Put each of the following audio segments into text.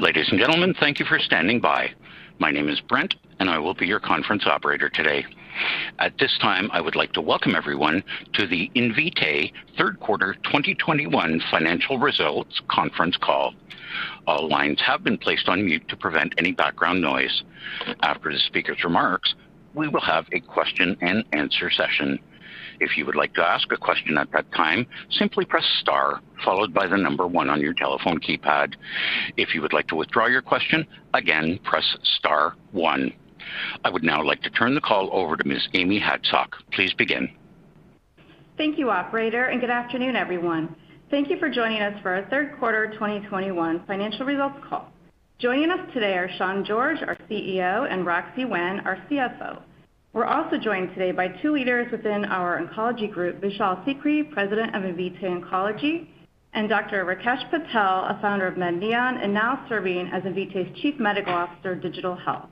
Ladies and gentlemen, thank you for standing by. My name is Brent, and I will be your conference operator today. At this time, I would like to welcome everyone to the Invitae Third Quarter 2021 financial results conference call. All lines have been placed on mute to prevent any background noise. After the speaker's remarks, we will have a question-and-answer session. If you would like to ask a question at that time, simply press star followed by one on your telephone keypad. If you would like to withdraw your question, again, press star one. I would now like to turn the call over to Ms. Amy Hadsock. Please begin. Thank you, operator. Good afternoon, everyone. Thank you for joining us for our third quarter 2021 financial results call. Joining us today are Sean George, our CEO, and Roxi Wen, our CFO. We're also joined today by two leaders within our oncology group, Vishal Sikri, President of Invitae Oncology, and Dr. Rakesh Patel, a founder of Medneon and now serving as Invitae's Chief Medical Officer of Digital Health.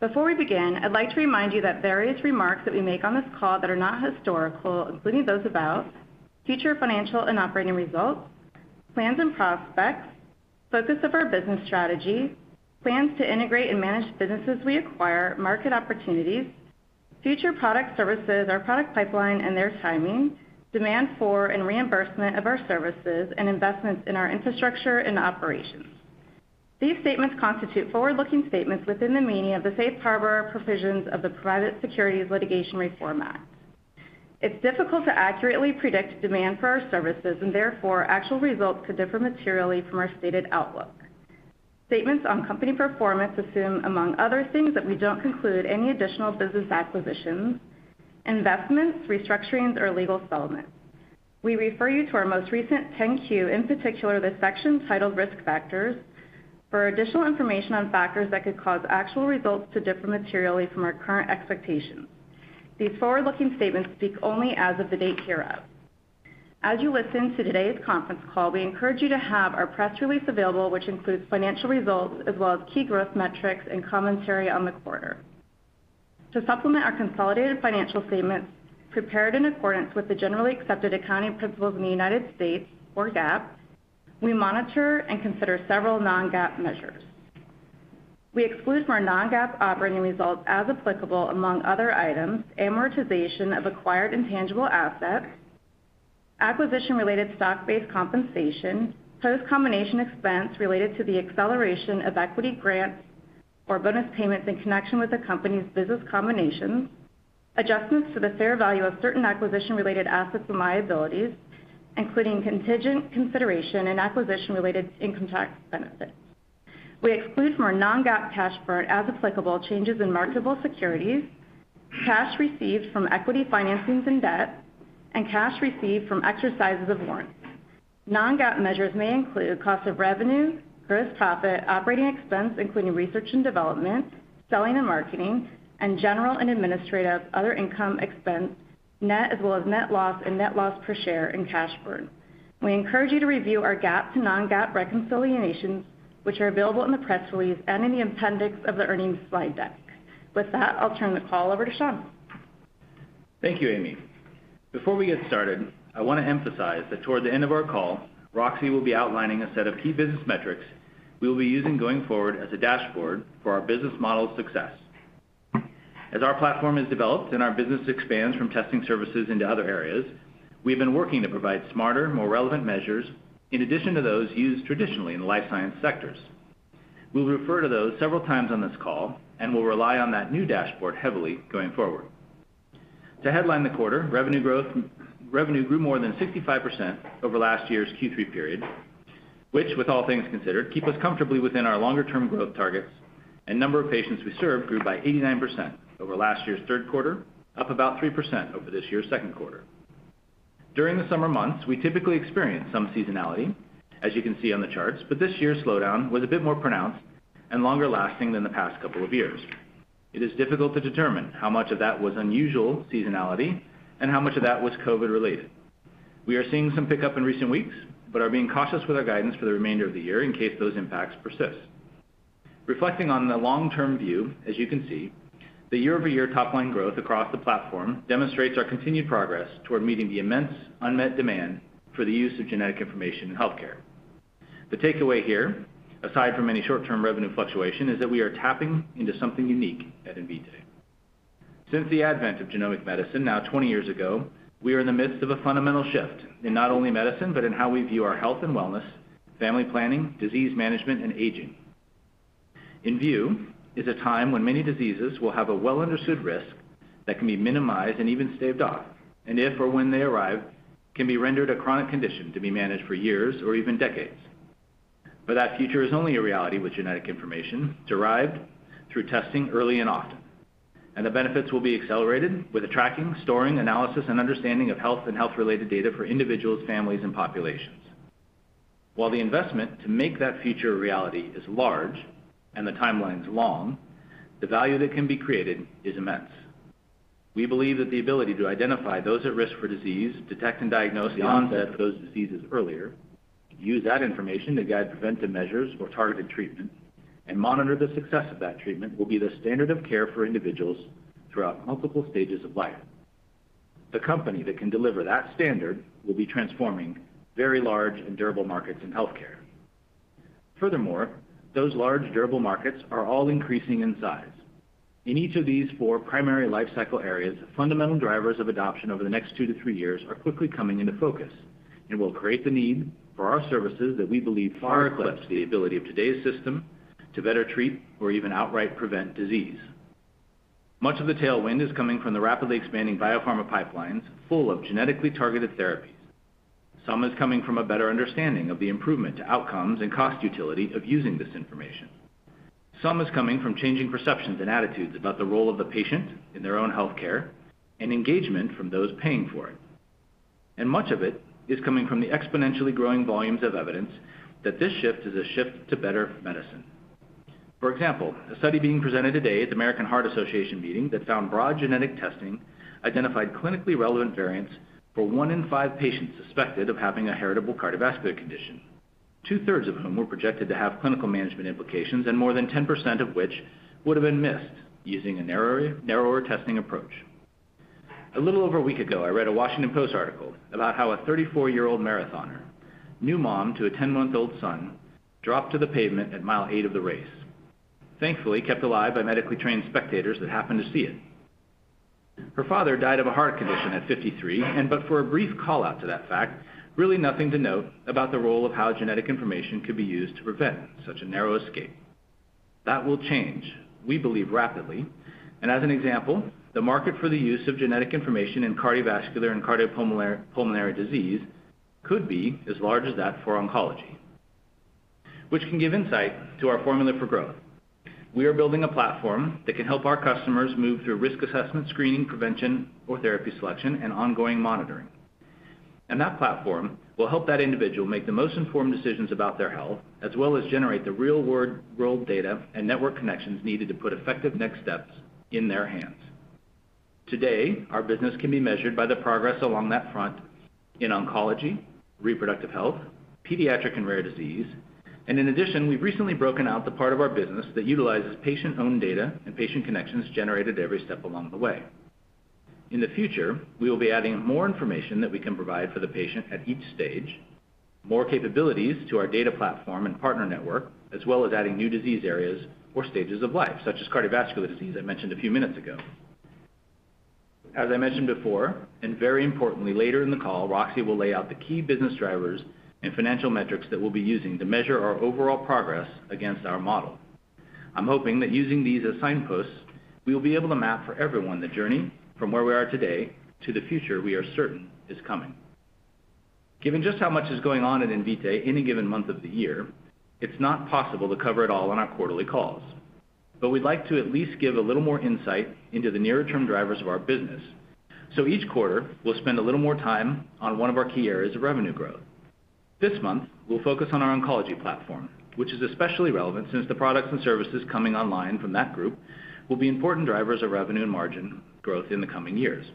Before we begin, I'd like to remind you that various remarks that we make on this call that are not historical, including those about future financial and operating results, plans and prospects, focus of our business strategy, plans to integrate and manage businesses we acquire, market opportunities, future product services, our product pipeline and their timing, demand for and reimbursement of our services, and investments in our infrastructure and operations. These statements constitute forward-looking statements within the meaning of the Safe Harbor provisions of the Private Securities Litigation Reform Act. Therefore, actual results could differ materially from our stated outlook. Statements on company performance assume, among other things, that we don't conclude any additional business acquisitions, investments, restructurings, or legal settlements. We refer you to our most recent 10-Q, in particular, the section titled Risk Factors, for additional information on factors that could cause actual results to differ materially from our current expectations. These forward-looking statements speak only as of the date hereof. As you listen to today's conference call, we encourage you to have our press release available, which includes financial results as well as key growth metrics and commentary on the quarter. To supplement our consolidated financial statements prepared in accordance with the generally accepted accounting principles in the U.S. or GAAP, we monitor and consider several non-GAAP measures. We exclude from our non-GAAP operating results as applicable among other items, amortization of acquired intangible assets, acquisition-related stock-based compensation, post-combination expense related to the acceleration of equity grants or bonus payments in connection with the company's business combinations, adjustments to the fair value of certain acquisition-related assets and liabilities, including contingent consideration and acquisition-related income tax benefits. We exclude from our non-GAAP cash burn as applicable, changes in marketable securities, cash received from equity financings and debt, and cash received from exercises of warrants. Non-GAAP measures may include cost of revenue, gross profit, operating expense, including research and development, selling and marketing, and General and Administrative, other income expense, net as well as net loss and net loss per share, and cash burn. We encourage you to review our GAAP to non-GAAP reconciliations, which are available in the press release and in the appendix of the earnings slide deck. With that, I'll turn the call over to Sean. Thank you, Amy. Before we get started, I want to emphasize that toward the end of our call, Roxi will be outlining a set of key business metrics we will be using going forward as a dashboard for our business model's success. As our platform is developed and our business expands from testing services into other areas, we've been working to provide smarter, more relevant measures in addition to those used traditionally in the life science sectors. We'll refer to those several times on this call and will rely on that new dashboard heavily going forward. To headline the quarter, revenue grew more than 65% over last year's Q3 period, which, with all things considered, keep us comfortably within our longer-term growth targets and number of patients we serve grew by 89% over last year's third quarter, up about 3% over this year's second quarter. During the summer months, we typically experience some seasonality, as you can see on the charts, but this year's slowdown was a bit more pronounced and longer lasting than the past couple of years. It is difficult to determine how much of that was unusual seasonality and how much of that was COVID-related. We are seeing some pickup in recent weeks, but are being cautious with our guidance for the remainder of the year in case those impacts persist. Reflecting on the long-term view, as you can see, the year-over-year top-line growth across the platform demonstrates our continued progress toward meeting the immense unmet demand for the use of genetic information in healthcare. The takeaway here, aside from any short-term revenue fluctuation, is that we are tapping into something unique at Invitae. Since the advent of genomic medicine, now 20 years ago, we are in the midst of a fundamental shift in not only medicine, but in how we view our health and wellness, family planning, disease management, and aging. In view is a time when many diseases will have a well-understood risk that can be minimized and even staved off, and if or when they arrive, can be rendered a chronic condition to be managed for years or even decades. That future is only a reality with genetic information derived through testing early and often, and the benefits will be accelerated with the tracking, storing, analysis, and understanding of health and health-related data for individuals, families, and populations. The investment to make that future a reality is large and the timelines long, the value that can be created is immense. We believe that the ability to identify those at risk for disease, detect and diagnose the onset of those diseases earlier, use that information to guide preventive measures or targeted treatment, and monitor the success of that treatment will be the standard of care for individuals throughout multiple stages of life. The company that can deliver that standard will be transforming very large and durable markets in healthcare. Furthermore, those large, durable markets are all increasing in size. In each of these four primary life cycle areas, the fundamental drivers of adoption over the next twoto three years are quickly coming into focus and will create the need for our services that we believe far eclipse the ability of today's system to better treat or even outright prevent disease. Much of the tailwind is coming from the rapidly expanding biopharma pipelines full of genetically targeted therapies. Some is coming from a better understanding of the improvement to outcomes and cost utility of using this information. Some is coming from changing perceptions and attitudes about the role of the patient in their own healthcare and engagement from those paying for it. Much of it is coming from the exponentially growing volumes of evidence that this shift is a shift to better medicine. For example, a study being presented today at the American Heart Association meeting that found broad genetic testing identified clinically relevant variants for one in five patients suspected of having a heritable cardiovascular condition, two-thirds of whom were projected to have clinical management implications and more than 10% of which would have been missed using a narrow, narrower testing approach. A little over a week ago, I read a Washington Post article about how a 34-year-old marathoner, new mom to a 10-month-old son, dropped to the pavement at mile eight of the race. Thankfully, kept alive by medically trained spectators that happened to see it. Her father died of a heart condition at 53 and, but for a brief call-out to that fact, really nothing to note about the role of how genetic information could be used to prevent such a narrow escape. That will change, we believe, rapidly. As an example, the market for the use of genetic information in cardiovascular and cardiopulmonary disease could be as large as that for oncology, which can give insight to our formula for growth. We are building a platform that can help our customers move through risk assessment, screening, prevention, or therapy selection and ongoing monitoring. That platform will help that individual make the most informed decisions about their health, as well as generate the real-world data and network connections needed to put effective next steps in their hands. Today, our business can be measured by the progress along that front in oncology, reproductive health, pediatric and rare disease. In addition, we've recently broken out the part of our business that utilizes patient-owned data and patient connections generated every step along the way. In the future, we will be adding more information that we can provide for the patient at each stage, more capabilities to our data platform and partner network, as well as adding new disease areas or stages of life, such as cardiovascular disease I mentioned a few minutes ago. As I mentioned before, very importantly, later in the call, Roxi will lay out the key business drivers and financial metrics that we'll be using to measure our overall progress against our model. I'm hoping that using these as signposts, we will be able to map for everyone the journey from where we are today to the future we are certain is coming. Given just how much is going on at Invitae any given month of the year, it's not possible to cover it all on our quarterly calls. We'd like to at least give a little more insight into the nearer-term drivers of our business. Each quarter, we'll spend a little more time on one of our key areas of revenue growth. This month, we'll focus on our oncology platform, which is especially relevant since the products and services coming online from that group will be important drivers of revenue and margin growth in the coming years.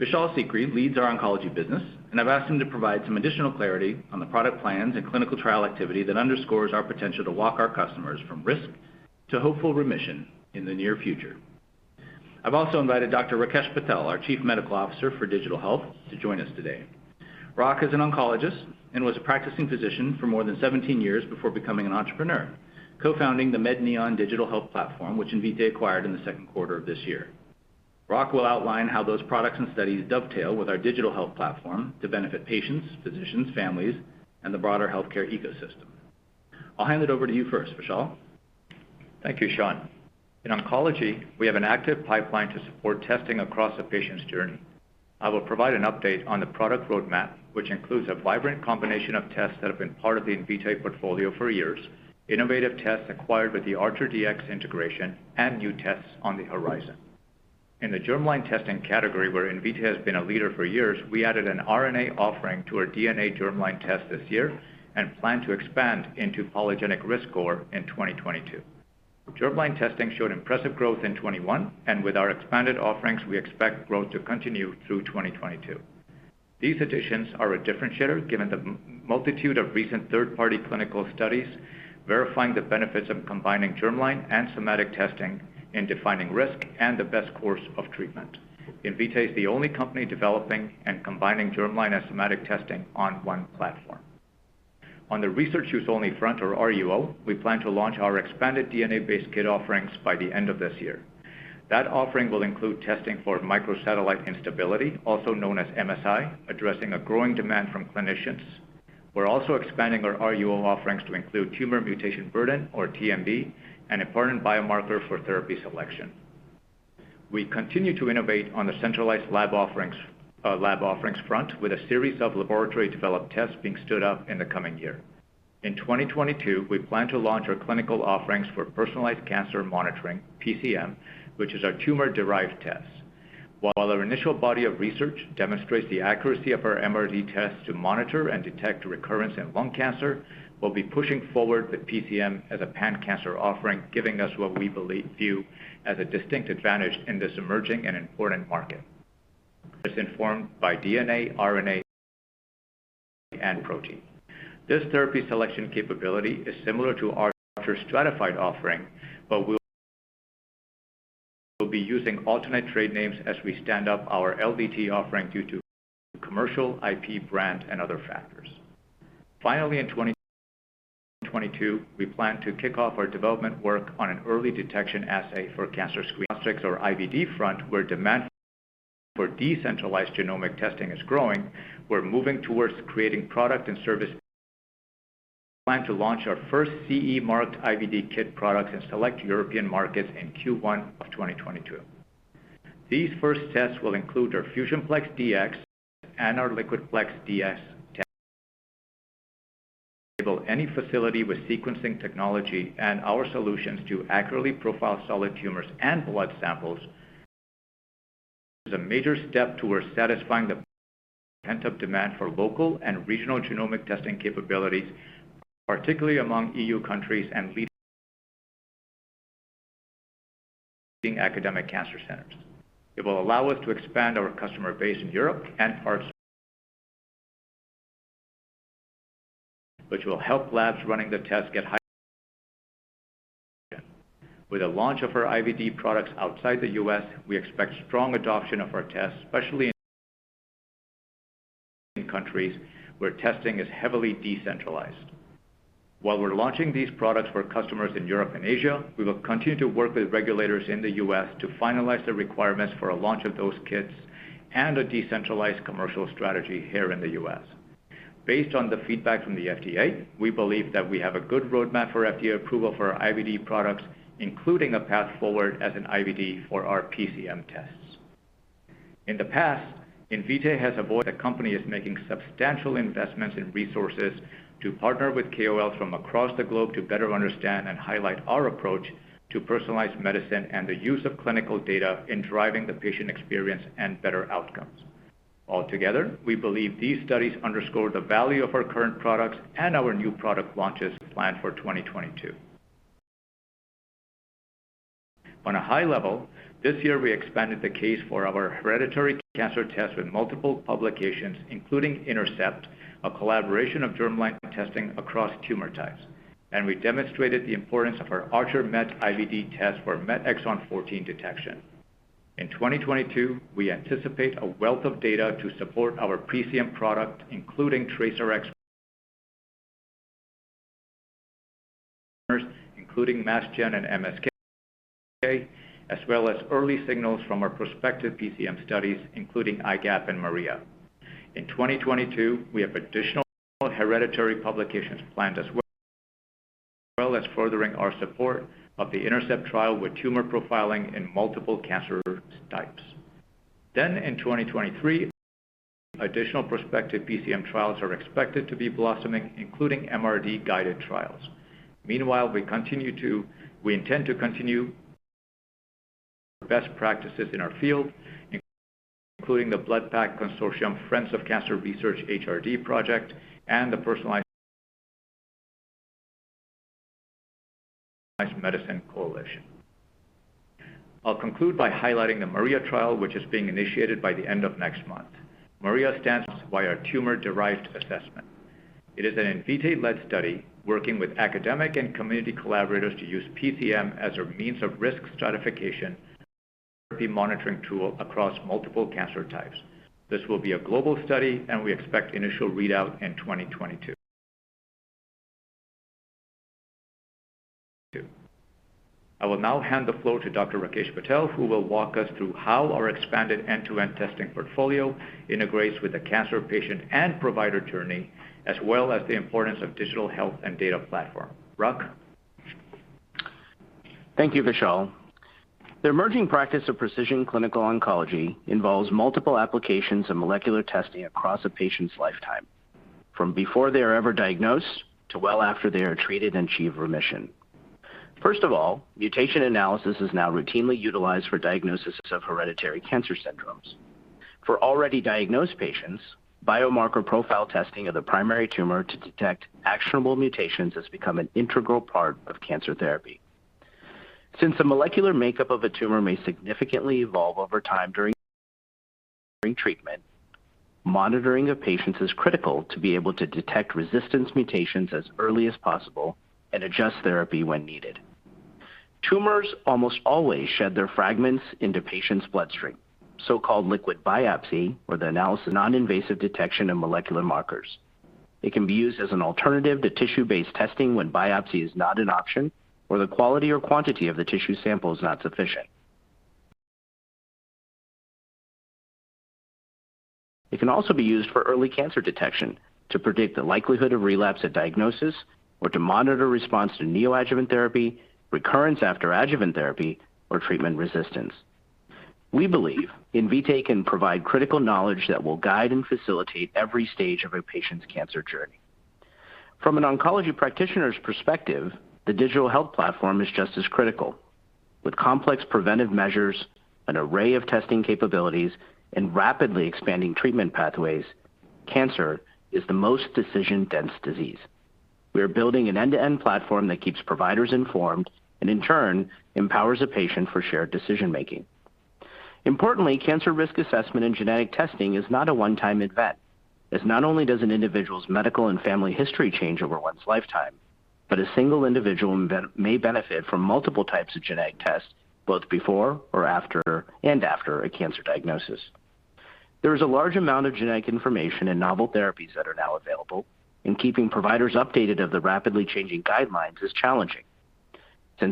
Vishal Sikri leads our oncology business, and I've asked him to provide some additional clarity on the product plans and clinical trial activity that underscores our potential to walk our customers from risk to hopeful remission in the near future. I've also invited Dr. Rakesh Patel, our Chief Medical Officer for Digital Health, to join us today. Rak is an oncologist and was a practicing physician for more than 17 years before becoming an entrepreneur, co-founding the Medneon Digital Health Platform, which Invitae acquired in the second quarter of this year. Rak will outline how those products and studies dovetail with our digital health platform to benefit patients, physicians, families, and the broader healthcare ecosystem. I'll hand it over to you first, Vishal. Thank you, Sean. In oncology, we have an active pipeline to support testing across a patient's journey. I will provide an update on the product roadmap, which includes a vibrant combination of tests that have been part of the Invitae portfolio for years, innovative tests acquired with the ArcherDX integration, and new tests on the horizon. In the germline testing category, where Invitae has been a leader for years, we added an RNA offering to our DNA germline test this year and plan to expand into polygenic risk score in 2022. Germline testing showed impressive growth in 2021, and with our expanded offerings, we expect growth to continue through 2022. These additions are a differentiator given the multitude of recent third-party clinical studies verifying the benefits of combining germline and somatic testing in defining risk and the best course of treatment. Invitae is the only company developing and combining germline and somatic testing on one platform. On the research use only front or RUO, we plan to launch our expanded DNA-based kit offerings by the end of this year. That offering will include testing for microsatellite instability, also known as MSI, addressing a growing demand from clinicians. We're also expanding our RUO offerings to include tumor mutation burden, or TMB, an important biomarker for therapy selection. We continue to innovate on the centralized lab offerings, lab offerings front with a series of laboratory developed tests being stood up in the coming year. In 2022, we plan to launch our clinical offerings for personalized cancer monitoring, PCM, which is our tumor-derived test. While our initial body of research demonstrates the accuracy of our MRD test to monitor and detect recurrence in lung cancer, we'll be pushing forward the PCM as a pan-cancer offering, giving us what we view as a distinct advantage in this emerging and important market. This informed by DNA, RNA, and protein. This therapy selection capability is similar to our Archer Stratafide offering, but we'll be using alternate trade names as we stand up our LDT offering due to commercial IP brand and other factors. Finally, in 2022, we plan to kick off our development work on an early detection assay for cancer screening. Our IVD front, where demand for decentralized genomic testing is growing, we're moving towards creating product and service. We plan to launch our first CE marked IVD kit products in select European markets in Q1 of 2022. These first tests will include our FusionPlex Dx and our LiquidPlex Dx tests. They will enable any facility with sequencing technology and our solutions to accurately profile solid tumors and blood samples. It is a major step towards satisfying the pent-up demand for local and regional genomic testing capabilities, particularly among EU countries and leading academic cancer centers. It will allow us to expand our customer base in Europe. With the launch of our IVD products outside the U.S., we expect strong adoption of our tests, especially in countries where testing is heavily decentralized. While we're launching these products for customers in Europe and Asia, we will continue to work with regulators in the U.S. to finalize the requirements for a launch of those kits and a decentralized commercial strategy here in the U.S. Based on the feedback from the FDA, we believe that we have a good roadmap for FDA approval for our IVD products, including a path forward as an IVD for our PCM tests. The company is making substantial investments in resources to partner with KOLs from across the globe to better understand and highlight our approach to personalized medicine and the use of clinical data in driving the patient experience and better outcomes. Altogether, we believe these studies underscore the value of our current products and our new product launches planned for 2022. On a high level, this year we expanded the case for our hereditary cancer test with multiple publications, including Intercept, a collaboration of germline testing across tumor types. We demonstrated the importance of our ArcherMET IVD test for MET exon 14 detection. In 2022, we anticipate a wealth of data to support our PCM product, including TRACERx. Partners, including Mass General and MSK, as well as early signals from our prospective PCM studies, including iGAP and Maria. In 2022, we have additional hereditary publications planned as well, as well as furthering our support of the Intercept trial with tumor profiling in multiple cancer types. In 2023, additional prospective PCM trials are expected to be blossoming, including MRD-guided trials. Meanwhile, we intend to continue best practices in our field, including the BloodPAC Consortium Friends of Cancer Research HRD project and the Personalized Medicine Coalition. I'll conclude by highlighting the Maria trial, which is being initiated by the end of next month. Maria stands by our tumor-derived assessment. It is an Invitae-led study working with academic and community collaborators to use PCM as a means of risk stratification therapy monitoring tool across multiple cancer types. This will be a global study, and we expect initial readout in 2022. I will now hand the floor to Dr. Rakesh Patel, who will walk us through how our expanded end-to-end testing portfolio integrates with the cancer patient and provider journey, as well as the importance of digital health and data platform. Rak? Thank you, Vishal. The emerging practice of precision clinical oncology involves multiple applications of molecular testing across a patient's lifetime, from before they are ever diagnosed to well after they are treated and achieve remission. First of all, mutation analysis is now routinely utilized for diagnosis of hereditary cancer syndromes. For already diagnosed patients, biomarker profile testing of the primary tumor to detect actionable mutations has become an integral part of cancer therapy. Since the molecular makeup of a tumor may significantly evolve over time during treatment, monitoring of patients is critical to be able to detect resistance mutations as early as possible and adjust therapy when needed. Tumors almost always shed their fragments into patients' bloodstream, so-called liquid biopsy or the analysis of non-invasive detection of molecular markers. It can be used as an alternative to tissue-based testing when biopsy is not an option or the quality or quantity of the tissue sample is not sufficient. It can also be used for early cancer detection to predict the likelihood of relapse at diagnosis or to monitor response to neoadjuvant therapy, recurrence after adjuvant therapy, or treatment resistance. We believe Invitae can provide critical knowledge that will guide and facilitate every stage of a patient's cancer journey. From an oncology practitioner's perspective, the digital health platform is just as critical. With complex preventive measures, an array of testing capabilities, and rapidly expanding treatment pathways, cancer is the most decision-dense disease. We are building an end-to-end platform that keeps providers informed and, in turn, empowers a patient for shared decision-making. Importantly, cancer risk assessment and genetic testing is not a one-time event, as not only does an individual's medical and family history change over one's lifetime, but a single individual may benefit from multiple types of genetic tests, both before and after a cancer diagnosis. There is a large amount of genetic information and novel therapies that are now available. Keeping providers updated of the rapidly changing guidelines is challenging.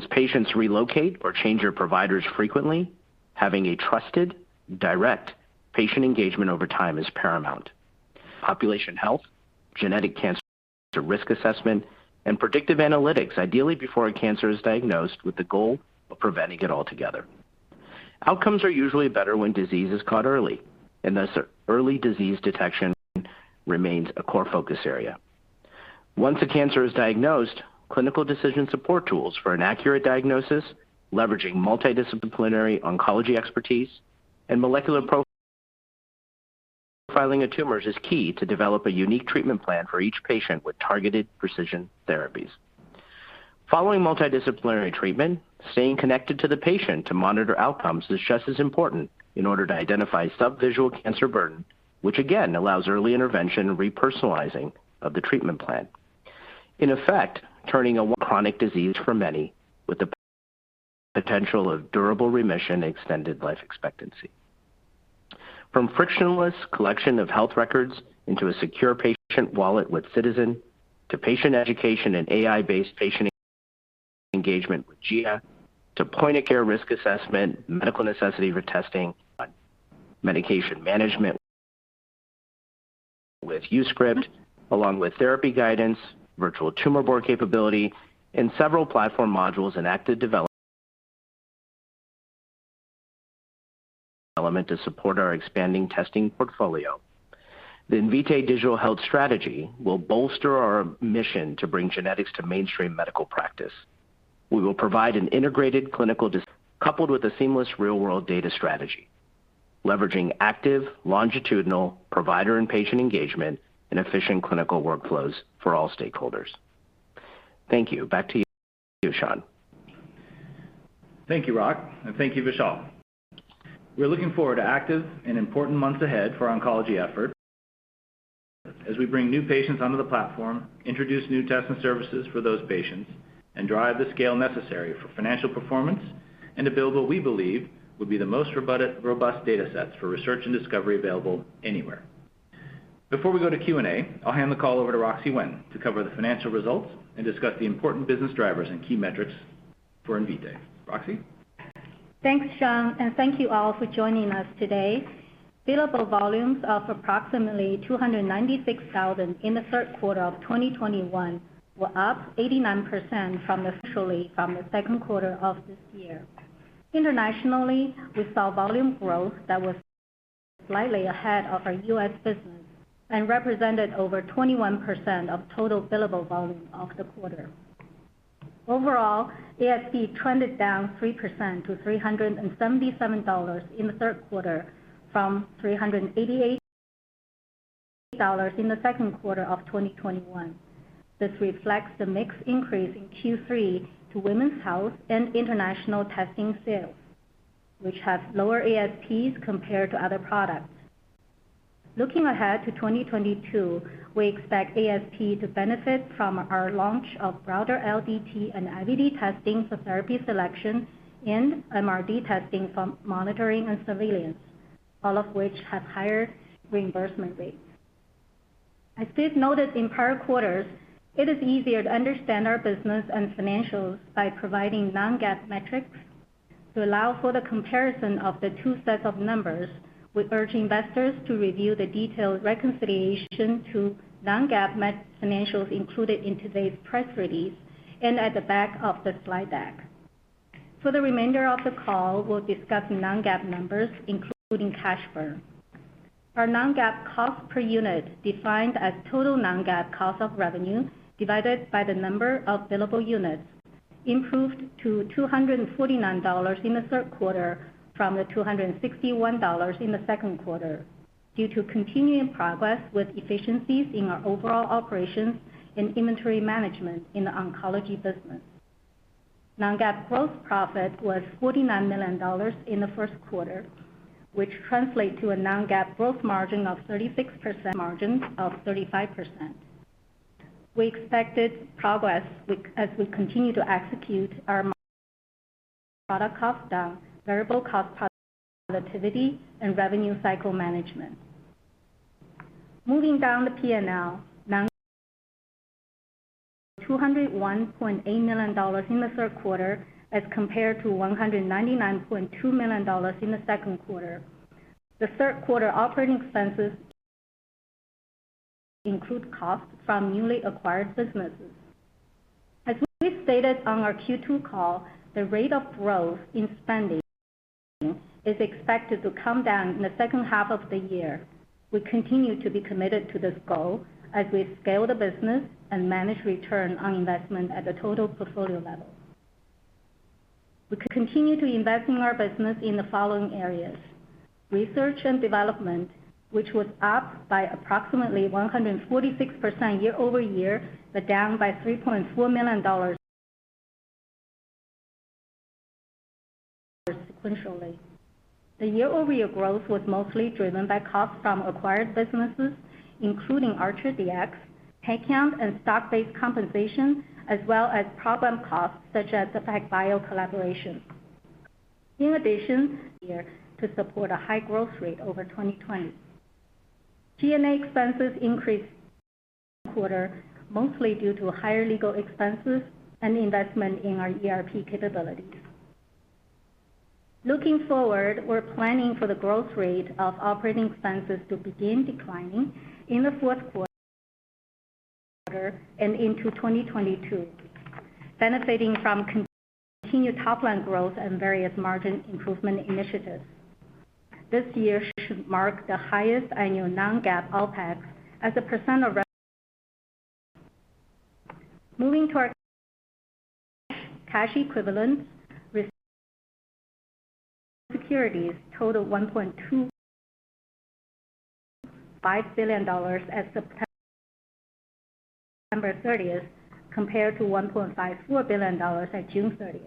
Patients relocate or change their providers frequently, having a trusted, direct patient engagement over time is paramount. Population health, genetic cancer risk assessment, and predictive analytics, ideally before a cancer is diagnosed, with the goal of preventing it altogether. Outcomes are usually better when disease is caught early. Thus early disease detection remains a core focus area. Once a cancer is diagnosed, clinical decision support tools for an accurate diagnosis, leveraging multidisciplinary oncology expertise, and molecular profiling of tumors is key to develop a unique treatment plan for each patient with targeted precision therapies. Following multidisciplinary treatment, staying connected to the patient to monitor outcomes is just as important in order to identify sub-visual cancer burden, which again allows early intervention repersonalizing of the treatment plan. In effect, turning a chronic disease for many with the potential of durable remission extended life expectancy. From frictionless collection of health records into a secure patient wallet with Ciitizen, to patient education and AI-based patient engagement with Gia, to point-of-care risk assessment, medical necessity for testing, medication management with YouScript, along with therapy guidance, virtual tumor board capability, and several platform modules in active development to support our expanding testing portfolio. The Invitae digital health strategy will bolster our mission to bring genetics to mainstream medical practice. We will provide an integrated clinical coupled with a seamless real-world data strategy, leveraging active longitudinal provider and patient engagement and efficient clinical workflows for all stakeholders. Thank you. Back to you, Sean. Thank you, Rak, and thank you, Vishal. We're looking forward to active and important months ahead for oncology effort as we bring new patients onto the platform, introduce new tests and services for those patients, and drive the scale necessary for financial performance and to build what we believe will be the most robust data sets for research and discovery available anywhere. Before we go to Q&A, I'll hand the call over to Roxi Wen to cover the financial results and discuss the important business drivers and key metrics for Invitae. Roxi? Thanks, Sean. Thank you all for joining us today. Billable volumes of approximately 296,000 in the third quarter of 2021 were up 89% officially from the second quarter of this year. Internationally, we saw volume growth that was slightly ahead of our U.S. business and represented over 21% of total billable volume of the quarter. Overall, ASP trended down 3% to $377 in the third quarter from $388 in the second quarter of 2021. This reflects the mixed increase in Q3 to women's health and international testing sales, which have lower ASPs compared to other products. Looking ahead to 2022, we expect ASP to benefit from our launch of broader LDT and IVD testing for therapy selection and MRD testing from monitoring and surveillance, all of which have higher reimbursement rates. As Sean George noted in prior quarters, it is easier to understand our business and financials by providing non-GAAP metrics to allow for the comparison of the two sets of numbers. We urge investors to review the detailed reconciliation to non-GAAP financials included in today's press release and at the back of the slide deck. For the remainder of the call, we'll discuss non-GAAP numbers, including cash burn. Our non-GAAP cost per unit, defined as total non-GAAP cost of revenue divided by the number of billable units, improved to $249 in the third quarter from the $261 in the second quarter due to continuing progress with efficiencies in our overall operations and inventory management in the oncology business. Non-GAAP gross profit was $49 million in the first quarter, which translate to a non-GAAP gross margin of 36% margins of 35%. We expected progress as we continue to execute our product cost down, variable cost productivity, and revenue cycle management. Moving down the P&L, non $201.8 million in the third quarter as compared to $199.2 million in the second quarter. The third quarter operating expenses include costs from newly acquired businesses. As we stated on our Q2 call, the rate of growth in spending is expected to come down in the H2 of the year. We continue to be committed to this goal as we scale the business and manage return on investment at the total portfolio level. We continue to invest in our business in the following areas. Research and development was up by approximately 146% year-over-year, but down by $3.4 million sequentially. The year-over-year growth was mostly driven by costs from acquired businesses, including ArcherDX, PayCount, and stock-based compensation, as well as program costs such as the FlagBio collaboration. In addition, to support a high growth rate over 2020, G&A expenses increased quarter-over-quarter mostly due to higher legal expenses and investment in our ERP capabilities. Looking forward, we're planning for the growth rate of operating expenses to begin declining in the fourth quarter and into 2022, benefiting from continued top-line growth and various margin improvement initiatives. This year should mark the highest annual non-GAAP OpEx as a % of revenue. Moving to our cash equivalents, restrictions, and securities total $1.25 billion as of September 30 compared to $1.54 billion at June 30.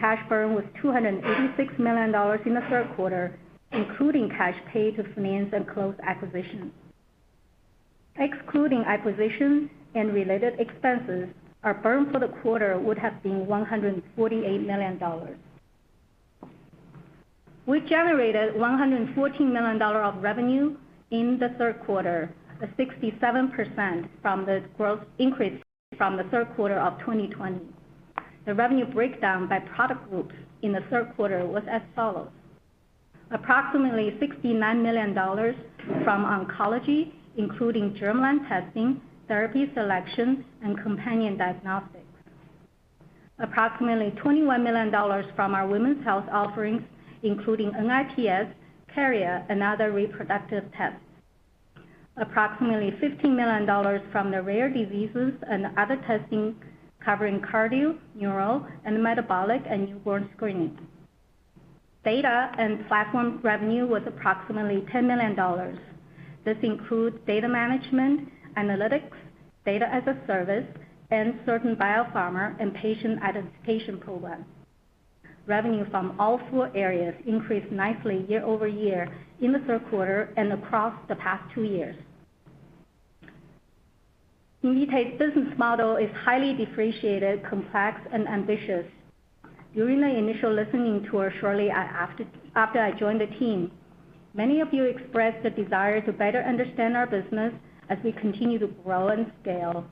Cash burn was $286 million in the third quarter, including cash paid to finance and close acquisitions. Excluding acquisitions and related expenses, our burn for the quarter would have been $148 million. We generated $114 million of revenue in the third quarter, a 67% from the growth increase from the third quarter of 2020. The revenue breakdown by product group in the third quarter was as follows. Approximately $69 million from oncology, including germline testing, therapy selection, and companion diagnostics. Approximately $21 million from our women's health offerings, including NIPS, carrier, and other reproductive tests. Approximately $15 million from the rare diseases and other testing covering cardio, neural, and metabolic and newborn screening. Data and platform revenue was approximately $10 million. This includes data management, analytics, data as a service, and certain biopharma and patient identification programs. Revenue from all four areas increased nicely year-over-year in the third quarter and across the past two years. Invitae's business model is highly differentiated, complex, and ambitious. During my initial listening tour shortly after I joined the team, many of you expressed the desire to better understand our business as we continue to grow and scale.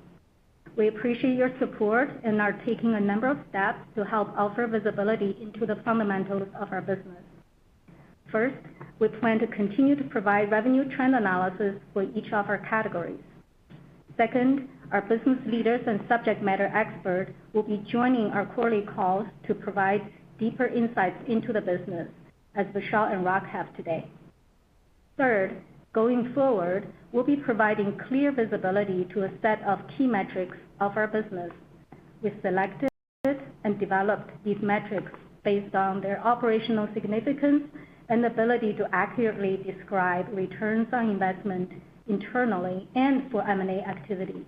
We appreciate your support and are taking a number of steps to help offer visibility into the fundamentals of our business. First, we plan to continue to provide revenue trend analysis for each of our categories. Second, our business leaders and subject matter expert will be joining our quarterly calls to provide deeper insights into the business, as Vishal and Rak have today. Third, going forward, we'll be providing clear visibility to a set of key metrics of our business. We've selected and developed these metrics based on their operational significance and ability to accurately describe returns on investment internally and for M&A activities.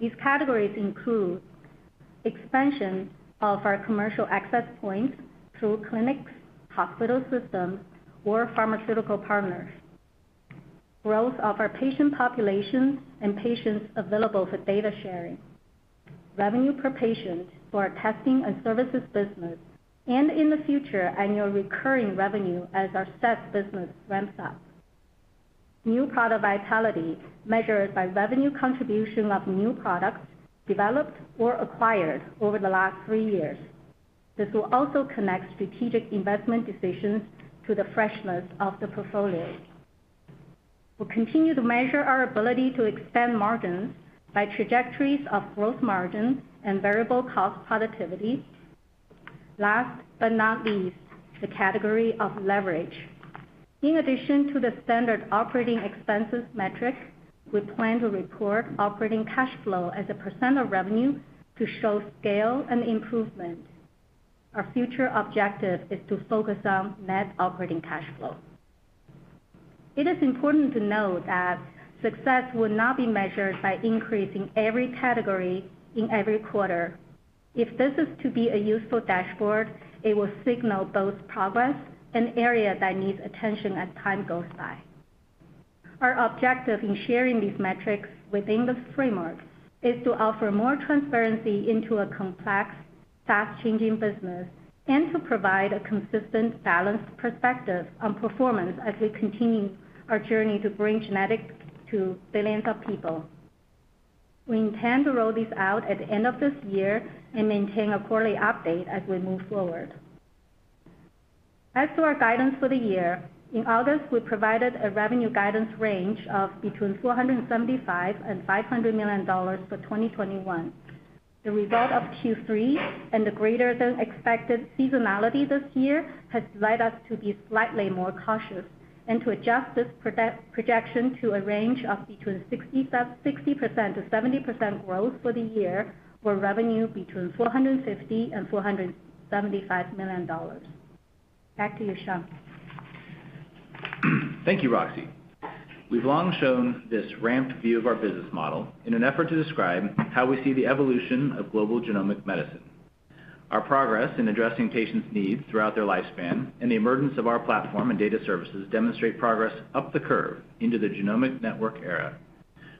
These categories include expansion of our commercial access points through clinics, hospital systems, or pharmaceutical partners, growth of our patient populations and patients available for data sharing, revenue per patient for our testing and services business, and in the future, annual recurring revenue as our SaaS business ramps up. New product vitality measured by revenue contribution of new products developed or acquired over the last three years. This will also connect strategic investment decisions to the freshness of the portfolio. We'll continue to measure our ability to expand margins by trajectories of growth margins and variable cost productivity. Last but not least, the category of leverage. In addition to the standard operating expenses metric, we plan to report operating cash flow as a % of revenue to show scale and improvement. Our future objective is to focus on net operating cash flow. It is important to note that success will not be measured by increasing every category in every quarter. If this is to be a useful dashboard, it will signal both progress and area that needs attention as time goes by. Our objective in sharing these metrics within this framework is to offer more transparency into a complex, fast-changing business and to provide a consistent, balanced perspective on performance as we continue our journey to bring genetics to billions of people. We intend to roll these out at the end of this year and maintain a quarterly update as we move forward. As to our guidance for the year, in August, we provided a revenue guidance range of between $475 million and $500 million for 2021. The result of Q3 and the greater-than-expected seasonality this year has led us to be slightly more cautious and to adjust this projection to a range of between 60%-70% growth for the year for revenue between $450 million and $475 million. Back to you, Sean. Thank you, Roxi. We've long shown this ramped view of our business model in an effort to describe how we see the evolution of global genomic medicine. Our progress in addressing patients' needs throughout their lifespan and the emergence of our platform and data services demonstrate progress up the curve into the genomic network era,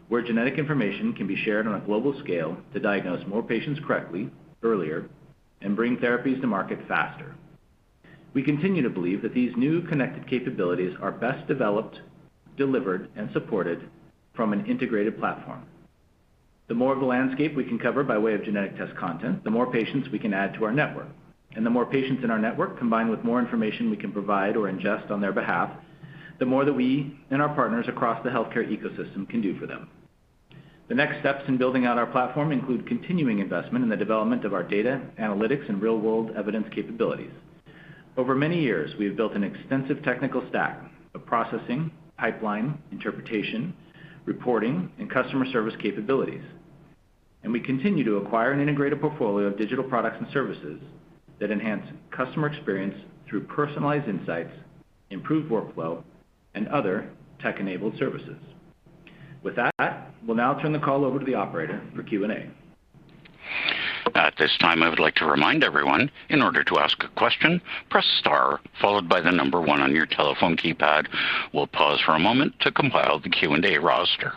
where genetic information can be shared on a global scale to diagnose more patients correctly, earlier, and bring therapies to market faster. We continue to believe that these new connected capabilities are best developed, delivered, and supported from an integrated platform. The more of the landscape we can cover by way of genetic test content, the more patients we can add to our network. The more patients in our network, combined with more information we can provide or ingest on their behalf, the more that we and our partners across the healthcare ecosystem can do for them. The next steps in building out our platform include continuing investment in the development of our data, analytics, and real-world evidence capabilities. Over many years, we have built an extensive technical stack of processing, pipeline, interpretation, reporting, and customer service capabilities. We continue to acquire and integrate a portfolio of digital products and services that enhance customer experience through personalized insights, improved workflow, and other tech-enabled services. With that, we'll now turn the call over to the operator for Q&A. At this time, I would like to remind everyone, in order to ask a question, press star followed by the number one on your telephone keypad. We'll pause for a moment to compile the Q&A roster.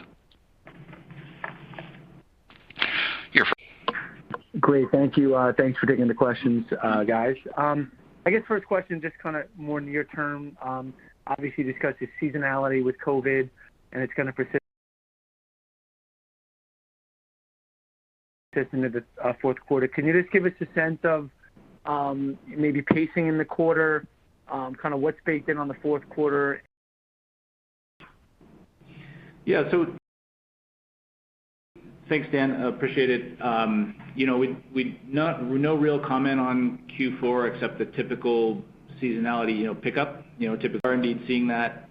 You're free. Great. Thank you. Thanks for taking the questions, guys. I guess first question, just kind of more near term, obviously discussed the seasonality with COVID, and it's going to persist into the fourth quarter. Can you just give us a sense of maybe pacing in the quarter, kind of what's baked in on the fourth quarter? Yeah. Thanks, Dan. Appreciate it. you know, we, no real comment on Q4 except the typical seasonality, you know, pickup, you know, typical R&D, seeing that.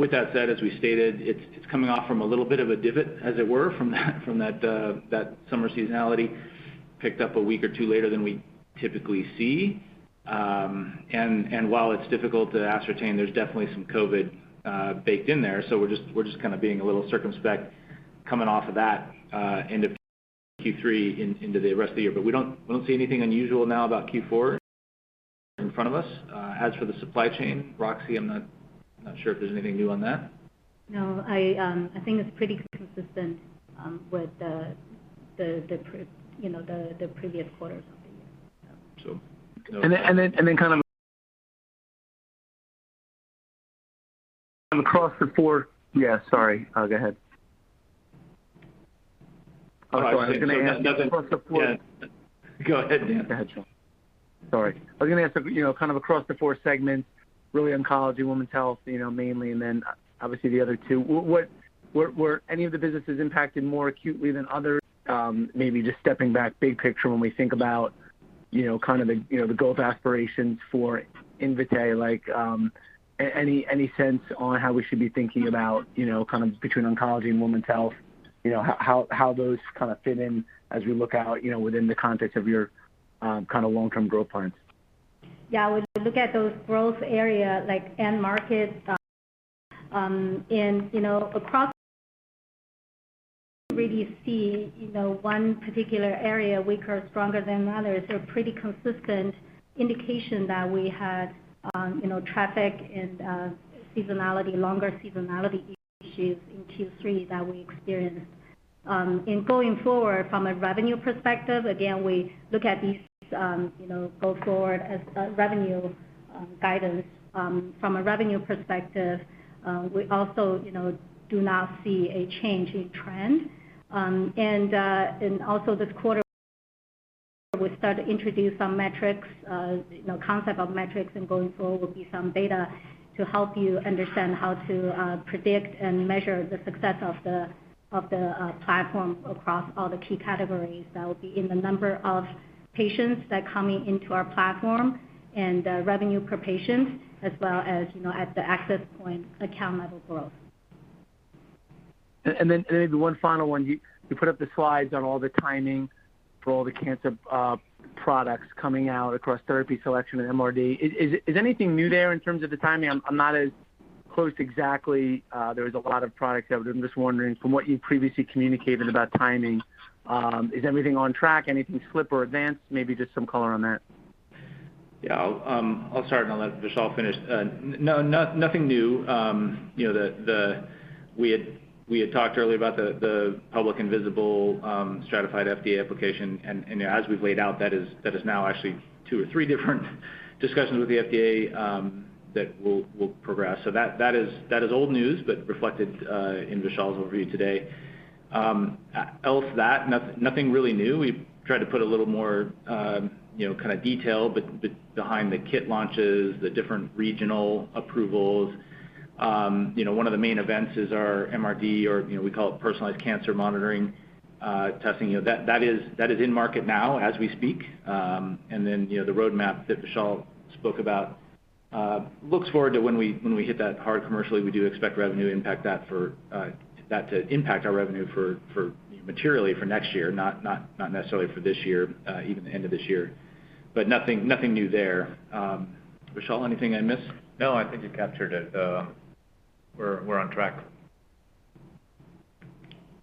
With that said, as we stated, it's coming off from a little bit of a divot, as it were, from that, from that summer seasonality, picked up a week or two later than we typically see. While it's difficult to ascertain, there's definitely some COVID, baked in there. We're just kind of being a little circumspect coming off of that, end of Q3 into the rest of the year. We don't see anything unusual now about Q4 in front of us. For the supply chain, Roxi, I'm not sure if there's anything new on that. No, I think it's pretty consistent, with the you know, the previous quarters of the year, yeah. So- Kind of across the four. Yeah, sorry. Go ahead. Oh, I was gonna ask. Sorry. I was gonna ask across the four. Yeah. Go ahead, Dan. Go ahead, Sean. Sorry. I was gonna ask, you know, kind of across the four segments, early oncology, women's health, you know, mainly, and then obviously the other two. Were any of the businesses impacted more acutely than others? Maybe just stepping back big picture when we think about, you know, kind of the, you know, the growth aspirations for Invitae, like, any sense on how we should be thinking about, you know, kind of between oncology and women's health, you know, how those kind of fit in as we look out, you know, within the context of your kind of long-term growth plans? Yeah. When we look at those growth area, like end markets, and, you know, across, we really see, you know, one particular area weaker or stronger than others. They're pretty consistent indication that we had, you know, traffic and seasonality, longer seasonality issues in Q3 that we experienced. In going forward from a revenue perspective, again, we look at these, you know, go forward as a revenue guidance. From a revenue perspective, we also, you know, do not see a change in trend. Also this quarter, we start to introduce some metrics, you know, concept of metrics and going forward will be some data to help you understand how to predict and measure the success of the platform across all the key categories. That will be in the number of patients that coming into our platform and, revenue per patient, as well as, you know, at the access point, account level growth. Maybe one final one. You put up the slides on all the timing for all the cancer products coming out across therapy selection and MRD. Is anything new there in terms of the timing? I'm not as close exactly. There was a lot of products. I'm just wondering from what you previously communicated about timing, is everything on track? Anything slip or advance? Maybe just some color on that. Yeah. I'll start and I'll let Vishal finish. Nothing new. You know, we had talked earlier about the public and visible Stratafide FDA application. As we've laid out, that is now actually two or three different discussions with the FDA that we'll progress. That is old news, but reflected in Vishal's overview today. Else that, nothing really new. We've tried to put a little more, you know, kind of detail behind the kit launches, the different regional approvals. You know, one of the main events is our MRD or, you know, we call it personalized cancer monitoring testing. You know, that is in market now as we speak. You know, the roadmap that Vishal spoke about. Looks forward to when we hit that hard commercially, we do expect revenue impact that to impact our revenue for materially for next year, not necessarily for this year, even the end of this year. Nothing new there. Vishal, anything I missed? No, I think you captured it. We're on track.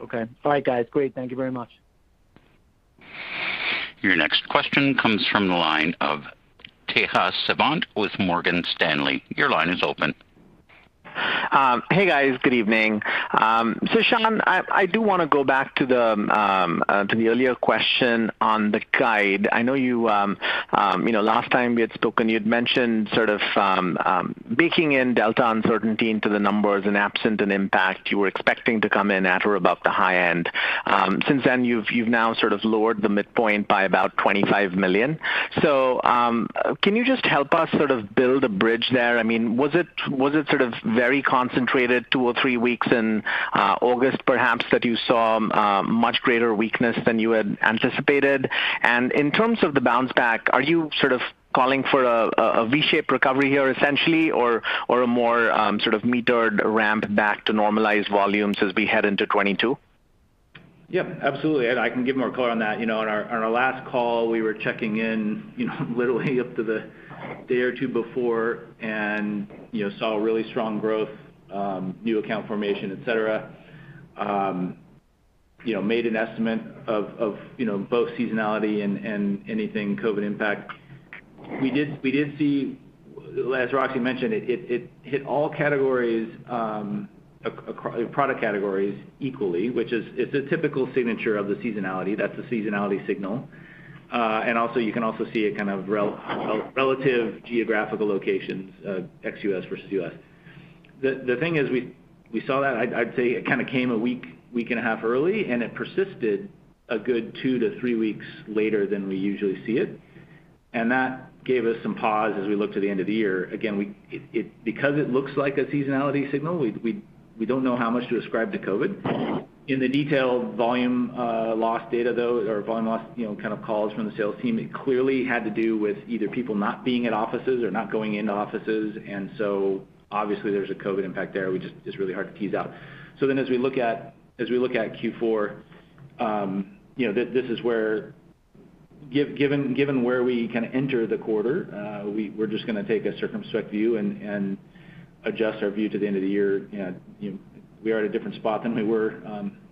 Okay. All right, guys. Great. Thank you very much. Your next question comes from the line of Tejas Savant with Morgan Stanley. Your line is open. Hey, guys. Good evening. Sean, I do wanna go back to the earlier question on the guide. I know you know, last time we had spoken, you'd mentioned sort of baking in delta uncertainty into the numbers and absent an impact you were expecting to come in at or above the high end. Since then, you've now sort of lowered the midpoint by about $25 million. Can you just help us sort of build a bridge there? I mean, was it sort of very concentrated two or three weeks in August, perhaps, that you saw a much greater weakness than you had anticipated? In terms of the bounce back, are you sort of calling for a v-shaped recovery here essentially or a more sort of metered ramp back to normalized volumes as we head into 2022? Yeah, absolutely. I can give more color on that. You know, on our last call, we were checking in, you know, literally up to the day or two before, you know, saw really strong growth, new account formation, et cetera. You know, made an estimate of, you know, both seasonality and anything COVID impact. We did see, as Roxi mentioned, it hit all categories, product categories equally, which is, it's a typical signature of the seasonality. That's a seasonality signal. Also you can also see a kind of relative geographical locations, ex U.S. versus U.S. The thing is, we saw that, I'd say it kind of came a week and a half early, it persisted a good two to three weeks later than we usually see it. That gave us some pause as we looked to the end of the year. Again, we because it looks like a seasonality signal, we don't know how much to ascribe to COVID. In the detailed volume, loss data, though, or volume loss, you know, kind of calls from the sales team, it clearly had to do with either people not being at offices or not going into offices. Obviously there's a COVID impact there. We just it's really hard to tease out. As we look at, as we look at Q4, you know, this is where given where we kinda enter the quarter, we're just gonna take a circumspect view and adjust our view to the end of the year. You know, we are at a different spot than we were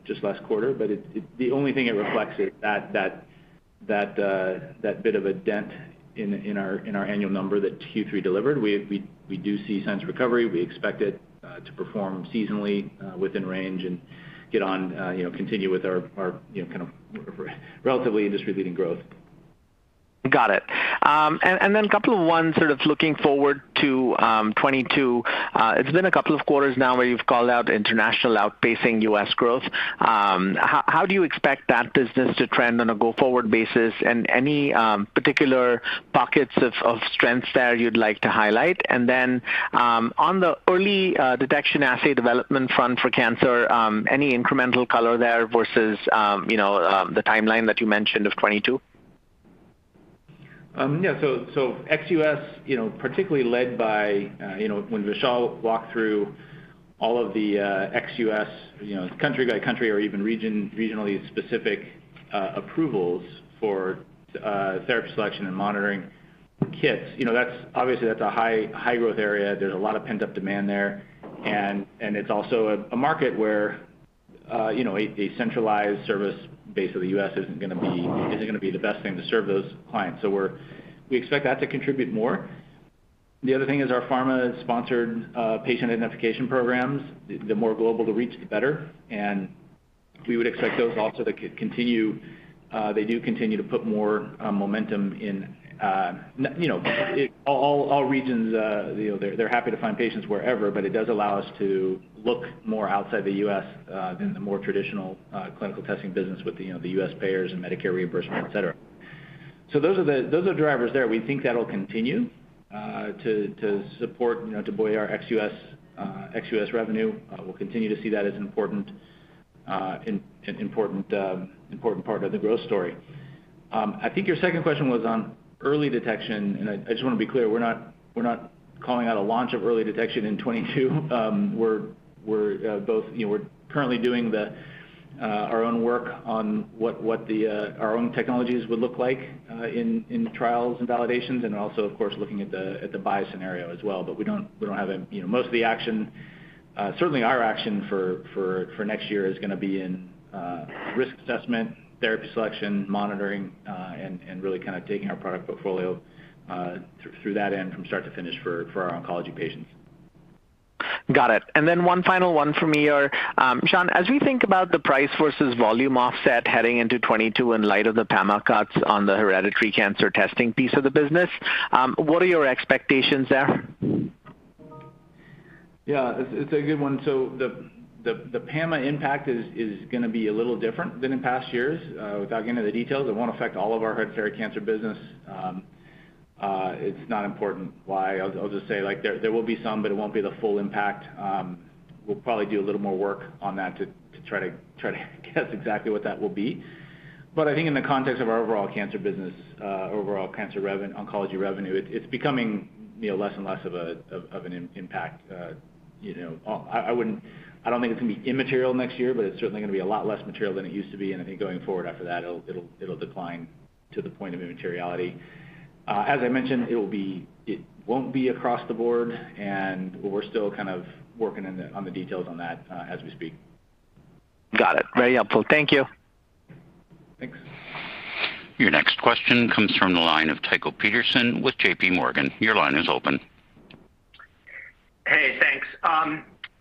just last quarter, but it the only thing it reflects is that bit of a dent in our annual number that Q3 delivered. We do see signs of recovery. We expect it to perform seasonally within range and get on, continue with our kind of relatively industry-leading growth. Got it. And then a couple of ones sort of looking forward to 2022. It's been a couple of quarters now where you've called out international outpacing U.S. growth. How do you expect that business to trend on a go-forward basis, and any particular pockets of strengths there you'd like to highlight? Then on the early detection assay development front for cancer, any incremental color there versus, you know, the timeline that you mentioned of 2022? Yeah. Ex U.S., you know, particularly led by, you know, when Vishal walked through all of the ex U.S., you know, country by country or even regionally specific approvals for therapy selection and monitoring kits, you know, obviously that's a high growth area. There's a lot of pent-up demand there. It's also a market where, you know, a centralized service base of the U.S. isn't gonna be the best thing to serve those clients. We expect that to contribute more. The other thing is our pharma-sponsored patient identification programs, the more global the reach, the better. We would expect those also to continue, they do continue to put more momentum in, you know, it. All regions, you know, they're happy to find patients wherever, but it does allow us to look more outside the U.S. than the more traditional clinical testing business with the, you know, the U.S. payers and Medicare reimbursement, et cetera. Those are the drivers there. We think that'll continue to support, you know, to buoy our ex U.S. ex U.S. revenue. We'll continue to see that as an important, an important part of the growth story. I think your second question was on early detection. I just want to be clear, we're not calling out a launch of early detection in 2022. We're both... You know, we're currently doing the our own work on what the our own technologies would look like in trials and validations and also of course, looking at the buy scenario as well. We don't, we don't have a. You know, most of the action, certainly our action for next year is gonna be in risk assessment, therapy selection, monitoring, and really kind of taking our product portfolio through that end from start to finish for our oncology patients. Got it. One final one for me here. Sean, as we think about the price versus volume offset heading into 2022 in light of the PAMA cuts on the hereditary cancer testing piece of the business, what are your expectations there? Yeah, it's a good one. The PAMA impact is gonna be a little different than in past years. Without getting into the details, it won't affect all of our hereditary cancer business. It's not important why. I'll just say, like, there will be some, but it won't be the full impact. We'll probably do a little more work on that to try to guess exactly what that will be. But I think in the context of our overall cancer business, overall cancer oncology revenue, it's becoming, you know, less and less of an impact. You know, I don't think it's gonna be immaterial next year, but it's certainly gonna be a lot less material than it used to be. I think going forward after that, it'll decline to the point of immateriality. As I mentioned, it won't be across the board and we're still kind of working on the details on that, as we speak. Got it. Very helpful. Thank you. Thanks. Your next question comes from the line of Tycho Peterson with JPMorgan. Your line is open. Hey, thanks.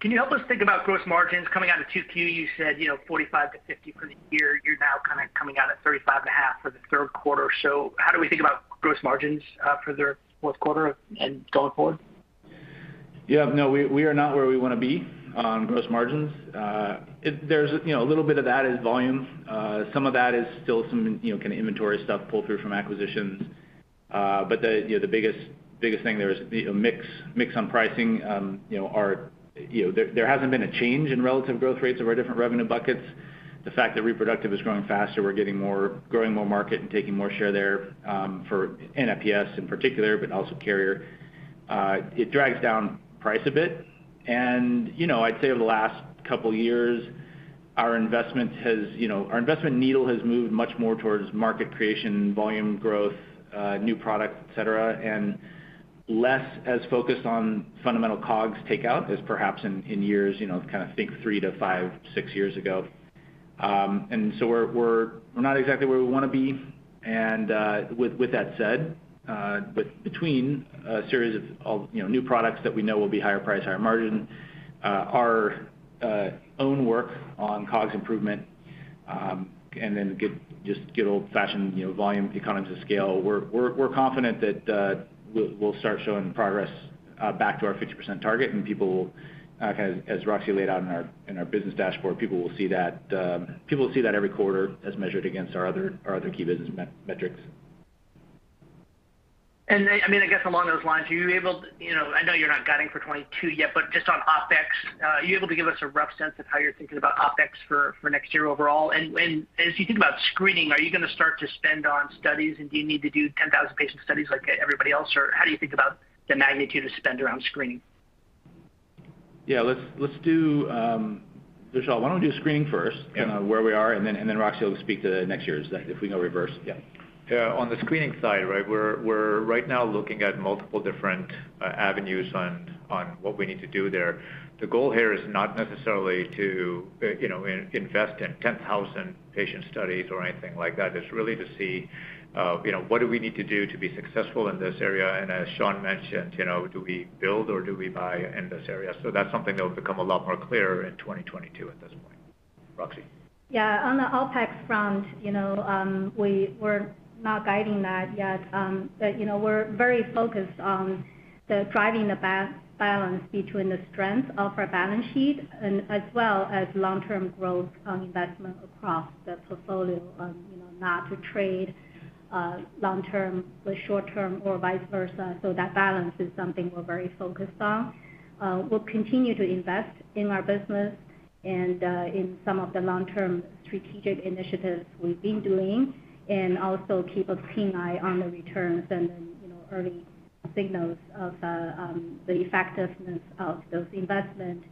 Can you help us think about gross margins? Coming out of 2Q, you said, you know, 45%-50% for the year. You're now kind of coming out at 35.5% for the third quarter. How do we think about gross margins for the fourth quarter and going forward? Yeah. No, we are not where we wanna be on gross margins. There's, you know, a little bit of that is volume. Some of that is still some, you know, kind of inventory stuff pull through from acquisitions. The, you know, the biggest thing there is the, you know, mix on pricing. You know, there hasn't been a change in relative growth rates of our different revenue buckets. The fact that reproductive is growing faster, we're growing more market and taking more share there, for NIPS in particular, but also carrier. It drags down price a bit. you know, I'd say over the last couple years, our investment has, Our investment needle has moved much more towards market creation, volume growth, new product, et cetera, and less as focused on fundamental COGS takeout as perhaps in years, you know, kind of think three to five, six years ago. we're not exactly where we wanna be. with that said, between a series of, you know, new products that we know will be higher price, higher margin, our own work on COGS improvement, and then just good old-fashioned, you know, volume economies of scale, we're confident that we'll start showing progress back to our 50% target. People will, kind of, as Roxi laid out in our, in our business dashboard, people will see that. People will see that every quarter as measured against our other key business metrics. I mean, I guess along those lines, are you able to You know, I know you're not guiding for 2022 yet, but just on OpEx, are you able to give us a rough sense of how you're thinking about OpEx for next year overall? As you think about screening, are you gonna start to spend on studies? Do you need to do 10,000 patient studies like everybody else, or how do you think about the magnitude of spend around screening? Yeah. Let's, let's do Vishal, why don't we do screening first. Yeah. You know, where we are, and then Roxi will speak to next year's. If we go reverse. Yeah. Yeah. On the screening side, right, we're right now looking at multiple different avenues on what we need to do there. The goal here is not necessarily to, you know, invest in 10,000 patient studies or anything like that. It's really to see, you know, what do we need to do to be successful in this area. As Sean mentioned, you know, do we build or do we buy in this area? That's something that will become a lot more clear in 2022 at this point. Roxi. Yeah. On the OpEx front, you know, we're not guiding that yet. You know, we're very focused on driving the balance between the strength of our balance sheet and as well as long-term growth on investment across the portfolio. You know, not to trade long-term with short-term or vice versa. That balance is something we're very focused on. We'll continue to invest in our business and, in some of the long-term strategic initiatives we've been doing, and also keep a keen eye on the returns and then, you know, early signals of the effectiveness of those investment.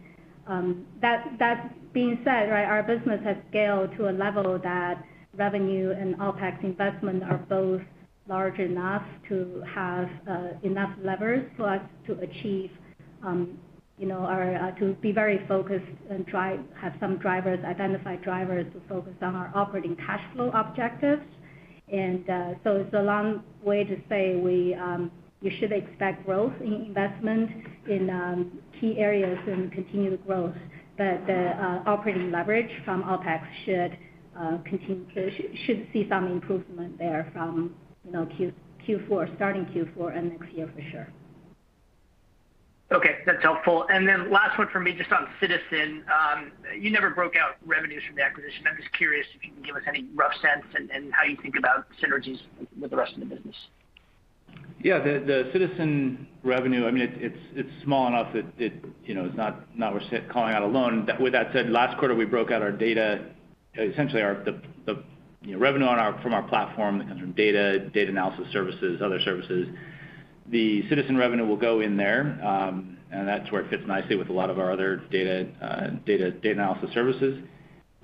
That, that being said, right, our business has scaled to a level that revenue and OpEx investment are both large enough to have enough levers for us to achieve, you know, or to be very focused and have some drivers, identified drivers to focus on our operating cash flow objectives. It's a long way to say we, you should expect growth in investment in key areas and continued growth. The operating leverage from OpEx should continue to see some improvement there from, you know, Q4, starting Q4 and next year for sure. Okay. That's helpful. Last one for me, just on Ciitizen, you never broke out revenues from the acquisition. I'm just curious if you can give us any rough sense and how you think about synergies with the rest of the business. Yeah. The Ciitizen revenue, I mean, it's small enough that it, you know, is not worth calling out a loan. With that said, last quarter we broke out our data, essentially the, you know, revenue from our platform that comes from data analysis services, other services. The Ciitizen revenue will go in there, and that's where it fits nicely with a lot of our other data analysis services.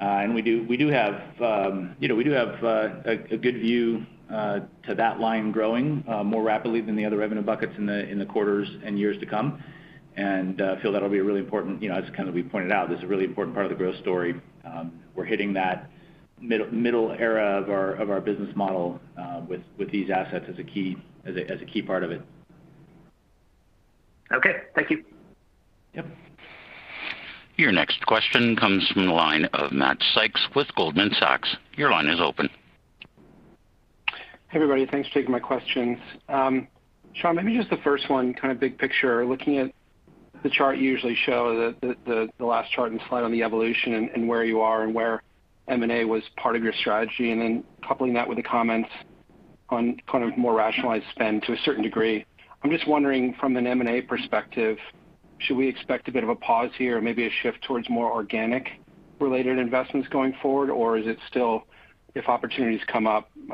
We do have, you know, we do have a good view to that line growing more rapidly than the other revenue buckets in the quarters and years to come. Feel that'll be a really important, you know, as kind of we pointed out, this is a really important part of the growth story. We're hitting that middle era of our business model with these assets as a key part of it. Okay. Thank you. Yep. Your next question comes from the line of Matt Sykes with Goldman Sachs. Your line is open. Hey, everybody. Thanks for taking my questions. Sean, maybe just the first one, kind of big picture. Looking at the chart you usually show, the last chart and slide on the evolution and where you are and where M&A was part of your strategy, and then coupling that with the comments on kind of more rationalized spend to a certain degree. I'm just wondering from an M&A perspective, should we expect a bit of a pause here or maybe a shift towards more organic related investments going forward? Or is it still if opportunities come up, you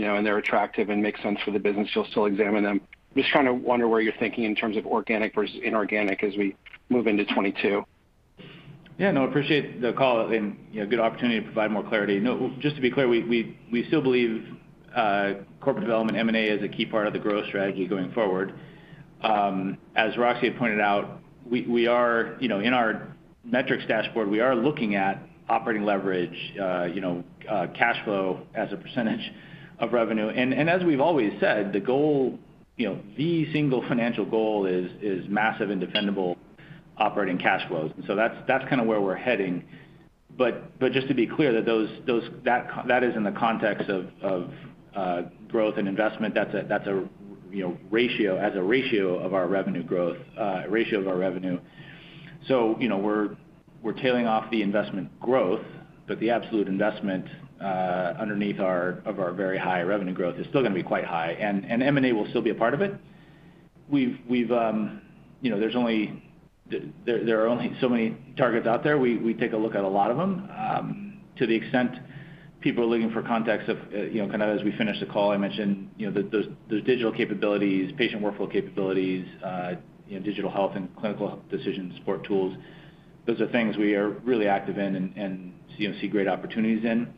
know, and they're attractive and makes sense for the business, you'll still examine them. Just trying to wonder where you're thinking in terms of organic versus inorganic as we move into 2022. Yeah, no, appreciate the call and, you know, good opportunity to provide more clarity. No, just to be clear, we still believe corporate development, M&A is a key part of the growth strategy going forward. As Roxi Wen had pointed out, we are, you know, in our metrics dashboard, we are looking at operating leverage, you know, cash flow as a percentage of revenue. As we've always said, the goal, you know, the single financial goal is massive and defendable operating cash flows. That's kind of where we're heading. Just to be clear that those, that is in the context of growth and investment, that's a, you know, ratio as a ratio of our revenue growth, ratio of our revenue. You know, we're tailing off the investment growth, but the absolute investment underneath our, of our very high revenue growth is still going to be quite high, and M&A will still be a part of it. We've, you know, there are only so many targets out there. We take a look at a lot of them. To the extent people are looking for context of, you know, kind of as we finish the call, I mentioned, you know, those digital capabilities, patient workflow capabilities, you know, digital health and clinical decision support tools. Those are things we are really active in and, you know, see great opportunities in.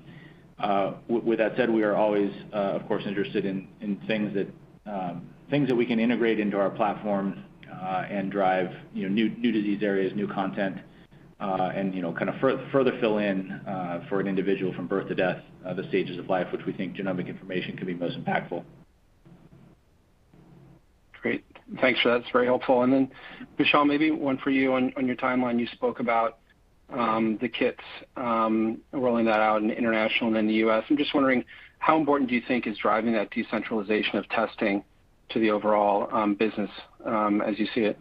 With that said, we are always, of course, interested in things that we can integrate into our platform and drive, you know, new disease areas, new content, and, you know, kind of further fill in for an individual from birth to death, the stages of life, which we think genomic information can be most impactful. Great. Thanks for that. It's very helpful. Then Vishal, maybe one for you. On your timeline, you spoke about the kits rolling that out in international and then the U.S. I'm just wondering how important do you think is driving that decentralization of testing to the overall business as you see it?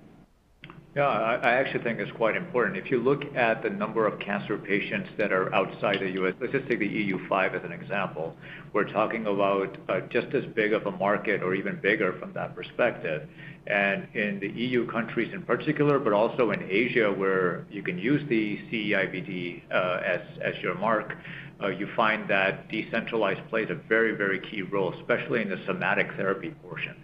Yeah, I actually think it's quite important. If you look at the number of cancer patients that are outside the U.S., let's just take the EU 5 as an example. We're talking about just as big of a market or even bigger from that perspective. In the EU countries in particular, but also in Asia where you can use the CE IVD as your mark, you find that decentralized plays a very, very key role, especially in the somatic therapy portion.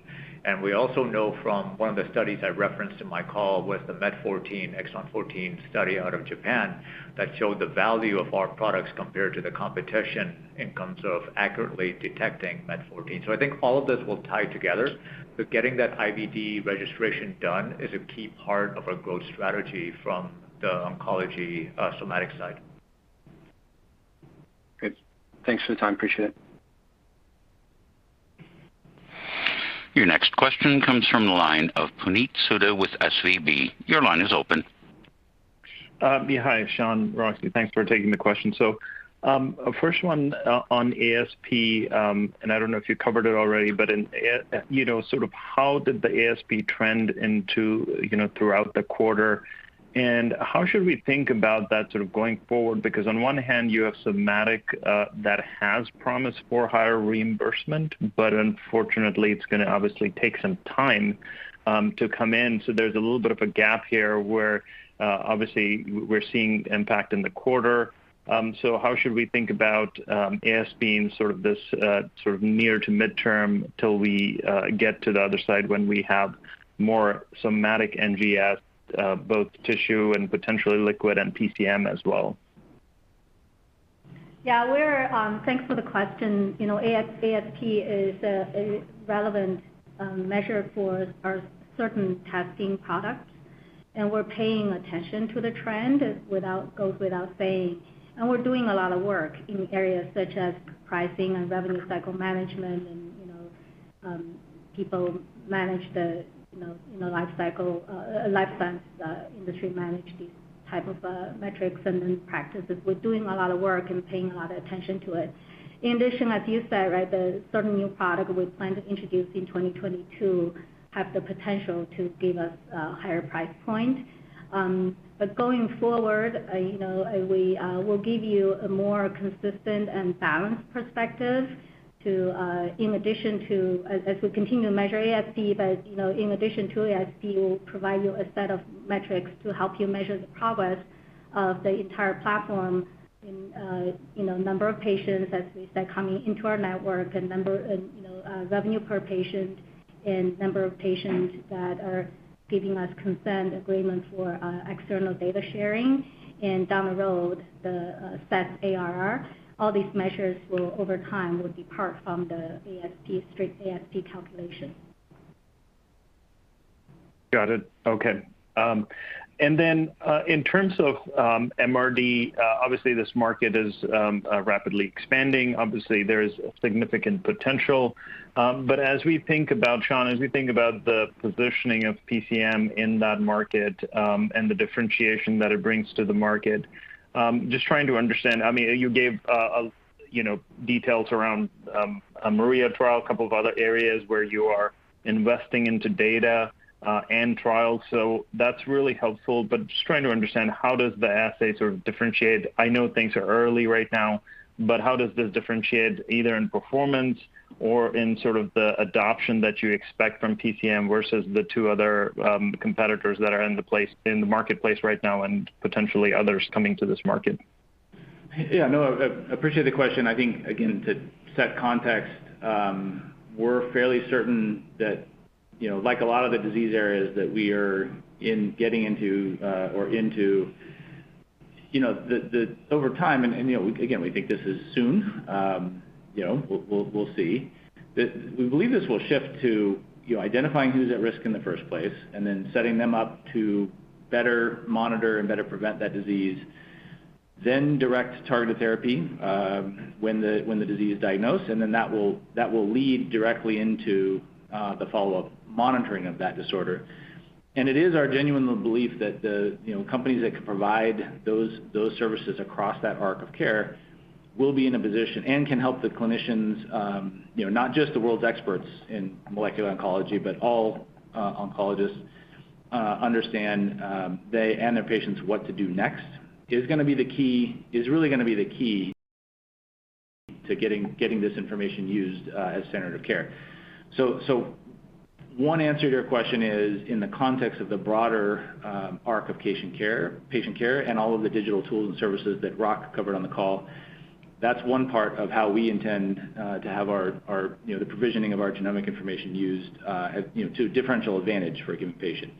We also know from one of the studies I referenced in my call was the MET14, exon 14 study out of Japan that showed the value of our products compared to the competition in terms of accurately detecting MET14. I think all of this will tie together, but getting that IVD registration done is a key part of our growth strategy from the oncology, somatic side. Good. Thanks for the time. Appreciate it. Your next question comes from the line of Puneet Souda with SVB. Your line is open. Yeah. Hi, Sean, Roxi. Thanks for taking the question. First one on ASP, I don't know if you covered it already, but in, you know, sort of how did the ASP trend into, you know, throughout the quarter? How should we think about that sort of going forward? Because on one hand, you have somatic that has promised for higher reimbursement, but unfortunately, it's going to obviously take some time to come in. There's a little bit of a gap here where, obviously we're seeing impact in the quarter. How should we think about ASP in sort of this, sort of near to midterm till we get to the other side when we have more somatic NGS, both tissue and potentially liquid and PCM as well? Yeah. We're. Thanks for the question. You know, ASP is a relevant measure for our certain testing products, and we're paying attention to the trend goes without saying. We're doing a lot of work in areas such as pricing and revenue cycle management and, you know, people manage the, you know, life cycle, life science industry manage these type of metrics and practices. We're doing a lot of work and paying a lot of attention to it. In addition, as you said, right, the certain new product we plan to introduce in 2022 have the potential to give us a higher price point. Going forward, you know, we will give you a more consistent and balanced perspective to in addition to as we continue to measure ASP, but, you know, in addition to ASP, we'll provide you a set of metrics to help you measure the progress of the entire platform in, you know, number of patients, as we said, coming into our network and number, and, you know, revenue per patient and number of patients that are giving us consent agreement for external data sharing. Down the road, the set ARR, all these measures will over time will be part from the ASP, strict ASP calculation. Got it. Okay. In terms of MRD, obviously this market is rapidly expanding. Obviously, there is a significant potential. As we think about, Sean, as we think about the positioning of PCM in that market, and the differentiation that it brings to the market, just trying to understand, I mean, you gave, you know, details around a Maria trial, a couple of other areas where you are investing into data, and trials. That's really helpful. Just trying to understand how does the assay sort of differentiate? I know things are early right now, but how does this differentiate either in performance or in sort of the adoption that you expect from PCM versus the two other competitors that are in the marketplace right now and potentially others coming to this market? Yeah, no, I appreciate the question. I think, again, to set context, we're fairly certain that, you know, like a lot of the disease areas that we are getting into or into over time and, you know, again, we think this is soon, you know, we'll see. That we believe this will shift to, you know, identifying who's at risk in the first place, and then setting them up to better monitor and better prevent that disease. Then direct targeted therapy when the disease is diagnosed, and then that will lead directly into the follow-up monitoring of that disorder. It is our genuine belief that the, you know, companies that can provide those services across that arc of care will be in a position and can help the clinicians, you know, not just the world's experts in molecular oncology, but all oncologists understand they and their patients what to do next is really gonna be the key to getting this information used as standard of care. One answer to your question is in the context of the broader arc of patient care and all of the digital tools and services that Rak covered on the call, that's one part of how we intend to have our, you know, the provisioning of our genomic information used, you know, to a differential advantage for a given patient.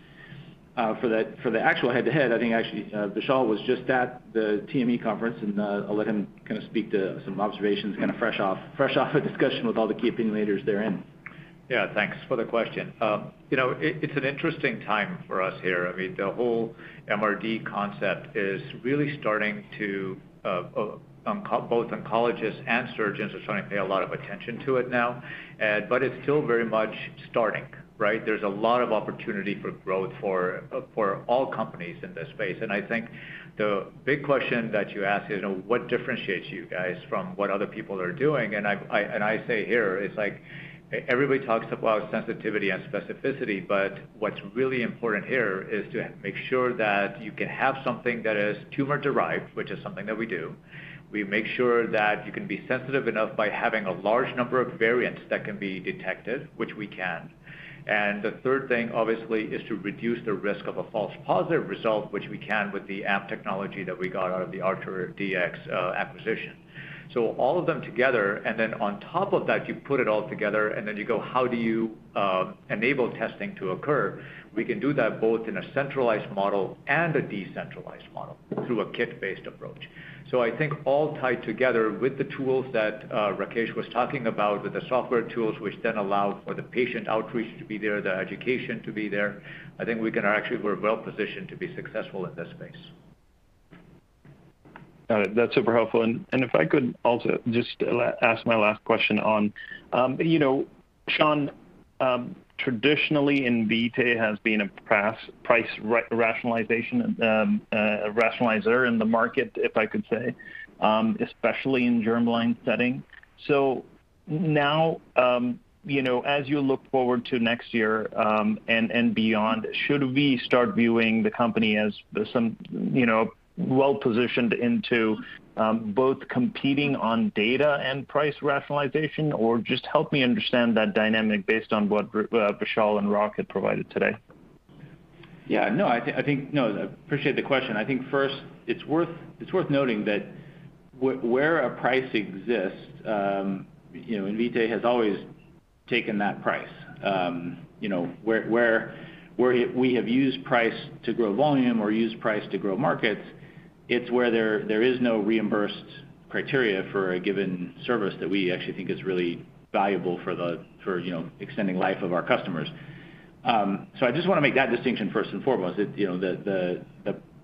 For the actual head-to-head, I think actually, Vishal was just at the TME conference, and, I'll let him kinda speak to some observations kind of fresh off, fresh off a discussion with all the key opinion leaders therein. Yeah. Thanks for the question. You know, it's an interesting time for us here. I mean, the whole MRD concept is really starting to, both oncologists and surgeons are starting to pay a lot of attention to it now. But it's still very much starting, right? There's a lot of opportunity for growth for all companies in this space. I think the big question that you ask is, you know, what differentiates you guys from what other people are doing? I say here, it's like everybody talks about sensitivity and specificity, but what's really important here is to make sure that you can have something that is tumor-derived, which is something that we do. We make sure that you can be sensitive enough by having a large number of variants that can be detected, which we can. The third thing, obviously, is to reduce the risk of a false positive result, which we can with the AMP technology that we got out of the ArcherDX acquisition. All of them together, and then on top of that, you put it all together, and then you go, how do you enable testing to occur? We can do that both in a centralized model and a decentralized model through a kit-based approach. I think all tied together with the tools that Rakesh was talking about, with the software tools which then allow for the patient outreach to be there, the education to be there, I think actually we're well-positioned to be successful in this space. Got it. That's super helpful. If I could also just ask my last question on, you know, Sean, traditionally Invitae has been a price rationalization, a rationalizer in the market, if I could say, especially in germline setting. Now, you know, as you look forward to next year, and beyond, should we start viewing the company as some, you know, well-positioned into both competing on data and price rationalization, or just help me understand that dynamic based on what Vishal and Rak had provided today? Yeah, no, I appreciate the question. I think first it's worth noting that where a price exists, you know, Invitae has always taken that price. You know, where we have used price to grow volume or used price to grow markets, it's where there is no reimbursed criteria for a given service that we actually think is really valuable for the, you know, extending life of our customers. I just wanna make that distinction first and foremost. That, you know, the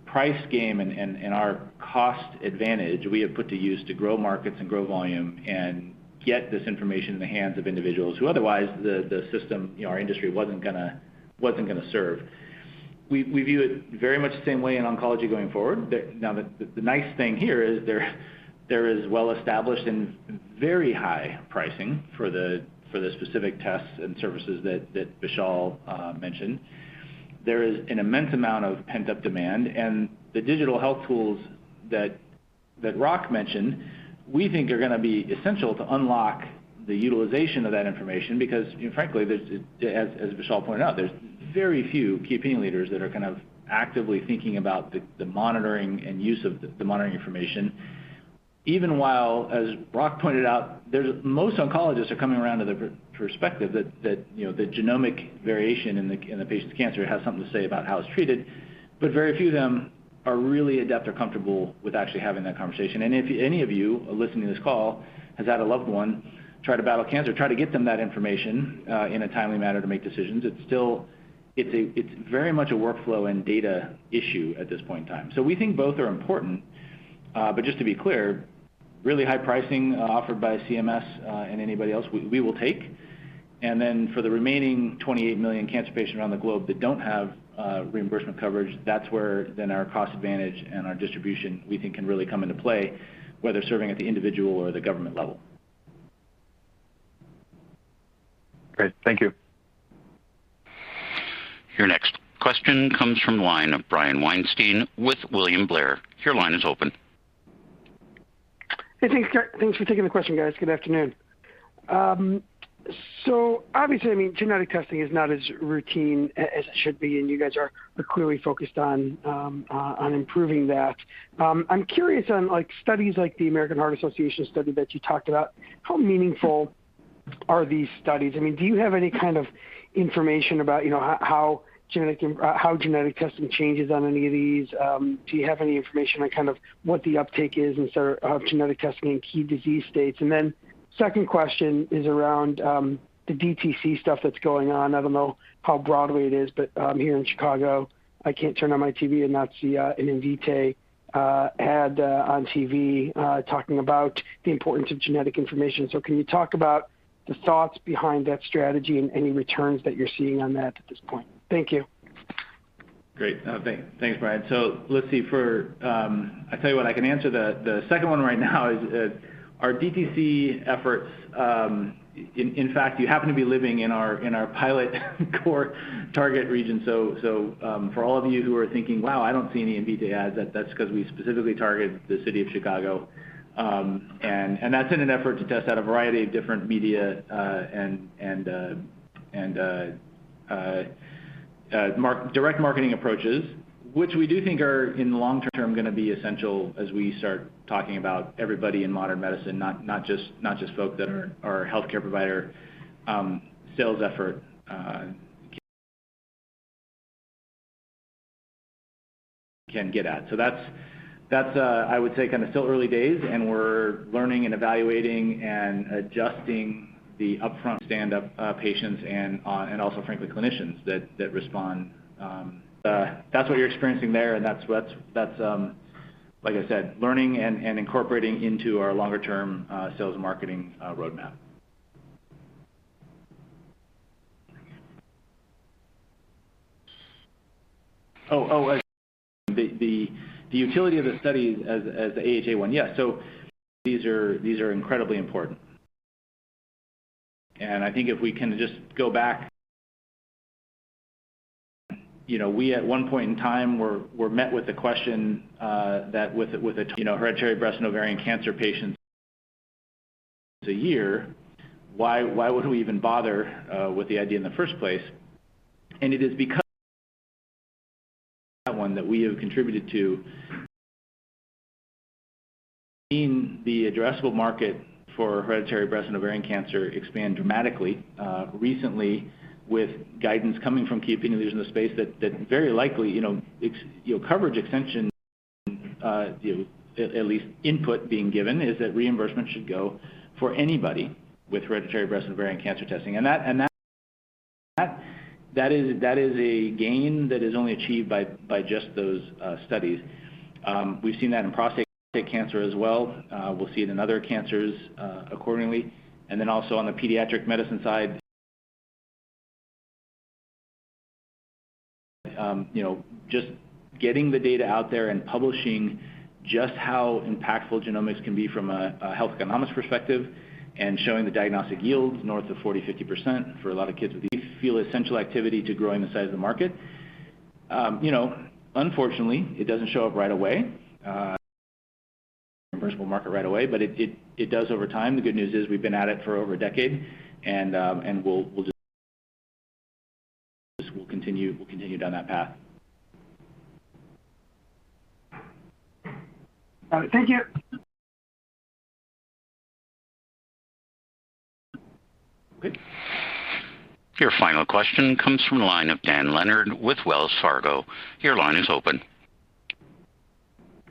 price game and our cost advantage we have put to use to grow markets and grow volume and get this information in the hands of individuals who otherwise the system, you know, our industry wasn't gonna serve. We view it very much the same way in oncology going forward. The nice thing here is there is well-established and very high pricing for the specific tests and services that Vishal mentioned. There is an immense amount of pent-up demand, and the digital health tools that Rak mentioned, we think are gonna be essential to unlock the utilization of that information because, you know, frankly, there's, as Vishal pointed out, there's very few key opinion leaders that are kind of actively thinking about the monitoring and use of the monitoring information. Even while, as Rak pointed out, there's most oncologists are coming around to the perspective that, you know, the genomic variation in the, in the patient's cancer has something to say about how it's treated, but very few of them are really adept or comfortable with actually having that conversation. If any of you listening to this call has had a loved one try to battle cancer, try to get them that information in a timely manner to make decisions, it's still, it's very much a workflow and data issue at this point in time. We think both are important, but just to be clear, really high pricing offered by CMS and anybody else, we will take. For the remaining 28 million cancer patients around the globe that don't have reimbursement coverage, that's where then our cost advantage and our distribution, we think, can really come into play, whether serving at the individual or the government level. Great. Thank you. Your next question comes from line of Brian Weinstein with William Blair. Your line is open. Hey, thanks. Thanks for taking the question, guys. Good afternoon. obviously, I mean, genetic testing is not as routine as it should be, and you guys are clearly focused on improving that. I'm curious on, like, studies like the American Heart Association study that you talked about, how meaningful are these studies? I mean, do you have any kind of information about, you know, how genetic, how genetic testing changes on any of these? Do you have any information on kind of what the uptake is in sort of genetic testing in key disease states? Second question is around the DTC stuff that's going on. I don't know how broadly it is, but here in Chicago, I can't turn on my TV and not see an Invitae ad on TV talking about the importance of genetic information. Can you talk about the thoughts behind that strategy and any returns that you're seeing on that at this point? Thank you. Great. Thanks. Thanks, Brian. Let's see, for, I tell you what, I can answer the second one right now is our DTC efforts, in fact, you happen to be living in our pilot core target region. For all of you who are thinking, "Wow, I don't see any Invitae ads," that's 'cause we specifically targeted the city of Chicago. That's in an effort to test out a variety of different media, and direct marketing approaches, which we do think are, in the long term, gonna be essential as we start talking about everybody in modern medicine, not just folk that are our healthcare provider, sales effort, can get at. That's, I would say kind of still early days, and we're learning and evaluating and adjusting the upfront standup patients and also, frankly, clinicians that respond. That's what you're experiencing there, and that's what's, like I said, learning and incorporating into our longer term sales and marketing roadmap. The utility of the study as the AHA one. These are incredibly important. I think if we can just go back, you know, we, at one point in time, were met with the question that with a, you know, hereditary breast and ovarian cancer patients a year, why would we even bother with the idea in the first place? It is because that one that we have contributed to. seen the addressable market for hereditary breast and ovarian cancer expand dramatically, recently with guidance coming from key opinion leaders in the space that very likely, you know, coverage extension, you know, at least input being given is that reimbursement should go for anybody with hereditary breast and ovarian cancer testing. That is a gain that is only achieved by just those studies. We've seen that in prostate cancer as well. We'll see it in other cancers accordingly. Also on the pediatric medicine side, you know, just getting the data out there and publishing just how impactful genomics can be from a health economics perspective and showing the diagnostic yield north of 40%-50% for a lot of kids with these, feel essential activity to growing the size of the market. You know, unfortunately, it doesn't show up right away, reimbursable market right away, but it does over time. The good news is we've been at it for over a decade and we'll just continue down that path. All right. Thank you. Your final question comes from the line of Dan Leonard with Wells Fargo. Your line is open.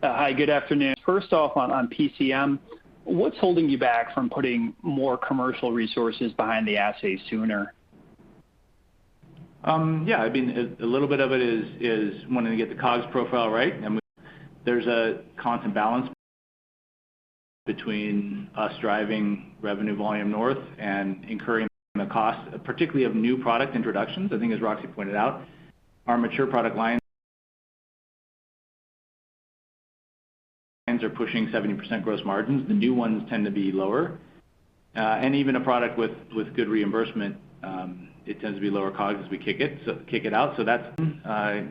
Hi. Good afternoon. First off, on PCM, what's holding you back from putting more commercial resources behind the assays sooner? Yeah, I mean, a little bit of it is wanting to get the COGS profile right, and there's a constant balance between us driving revenue volume north and incurring the cost, particularly of new product introductions. I think as Roxi pointed out, our mature product lines are pushing 70% gross margins. The new ones tend to be lower. Even a product with good reimbursement, it tends to be lower COGS as we kick it out. That's,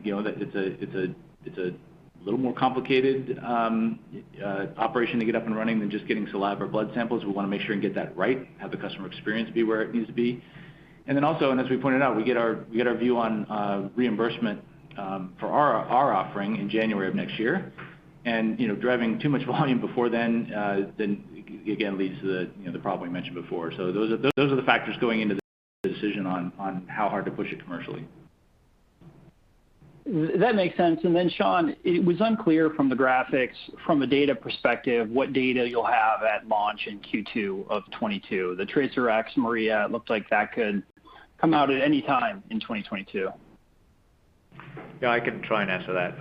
you know, that it's a little more complicated operation to get up and running than just getting saliva or blood samples. We wanna make sure and get that right, have the customer experience be where it needs to be. Then also, and as we pointed out, we get our view on reimbursement for our offering in January of next year. You know, driving too much volume before then again, leads to the, you know, the problem we mentioned before. Those are the factors going into the decision on how hard to push it commercially. That makes sense. Sean, it was unclear from the graphics, from a data perspective, what data you'll have at launch in Q2 of 2022. The TRACERx Maria, it looked like that could come out at any time in 2022. Yeah, I can try and answer that.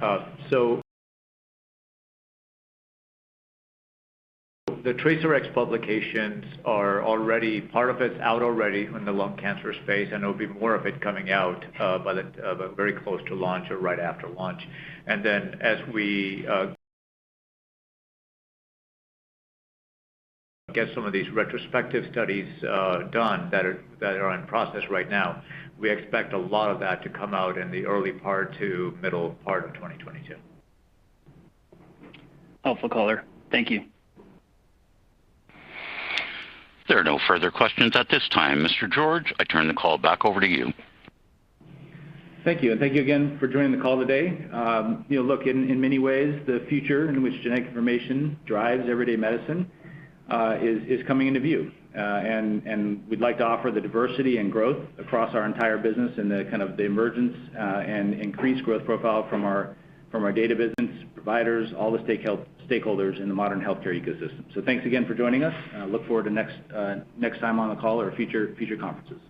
The TRACERx publications part of it's out already in the lung cancer space, and there'll be more of it coming out by the very close to launch or right after launch. As we get some of these retrospective studies done that are in process right now, we expect a lot of that to come out in the early part to middle part of 2022. Helpful color. Thank you. There are no further questions at this time. Mr. George, I turn the call back over to you. Thank you. Thank you again for joining the call today. You know, look, in many ways, the future in which genetic information drives everyday medicine, is coming into view. And we'd like to offer the diversity and growth across our entire business and the kind of the emergence and increased growth profile from our data business providers, all the stakeholders in the modern healthcare ecosystem. Thanks again for joining us. Look forward to next time on the call or future conferences.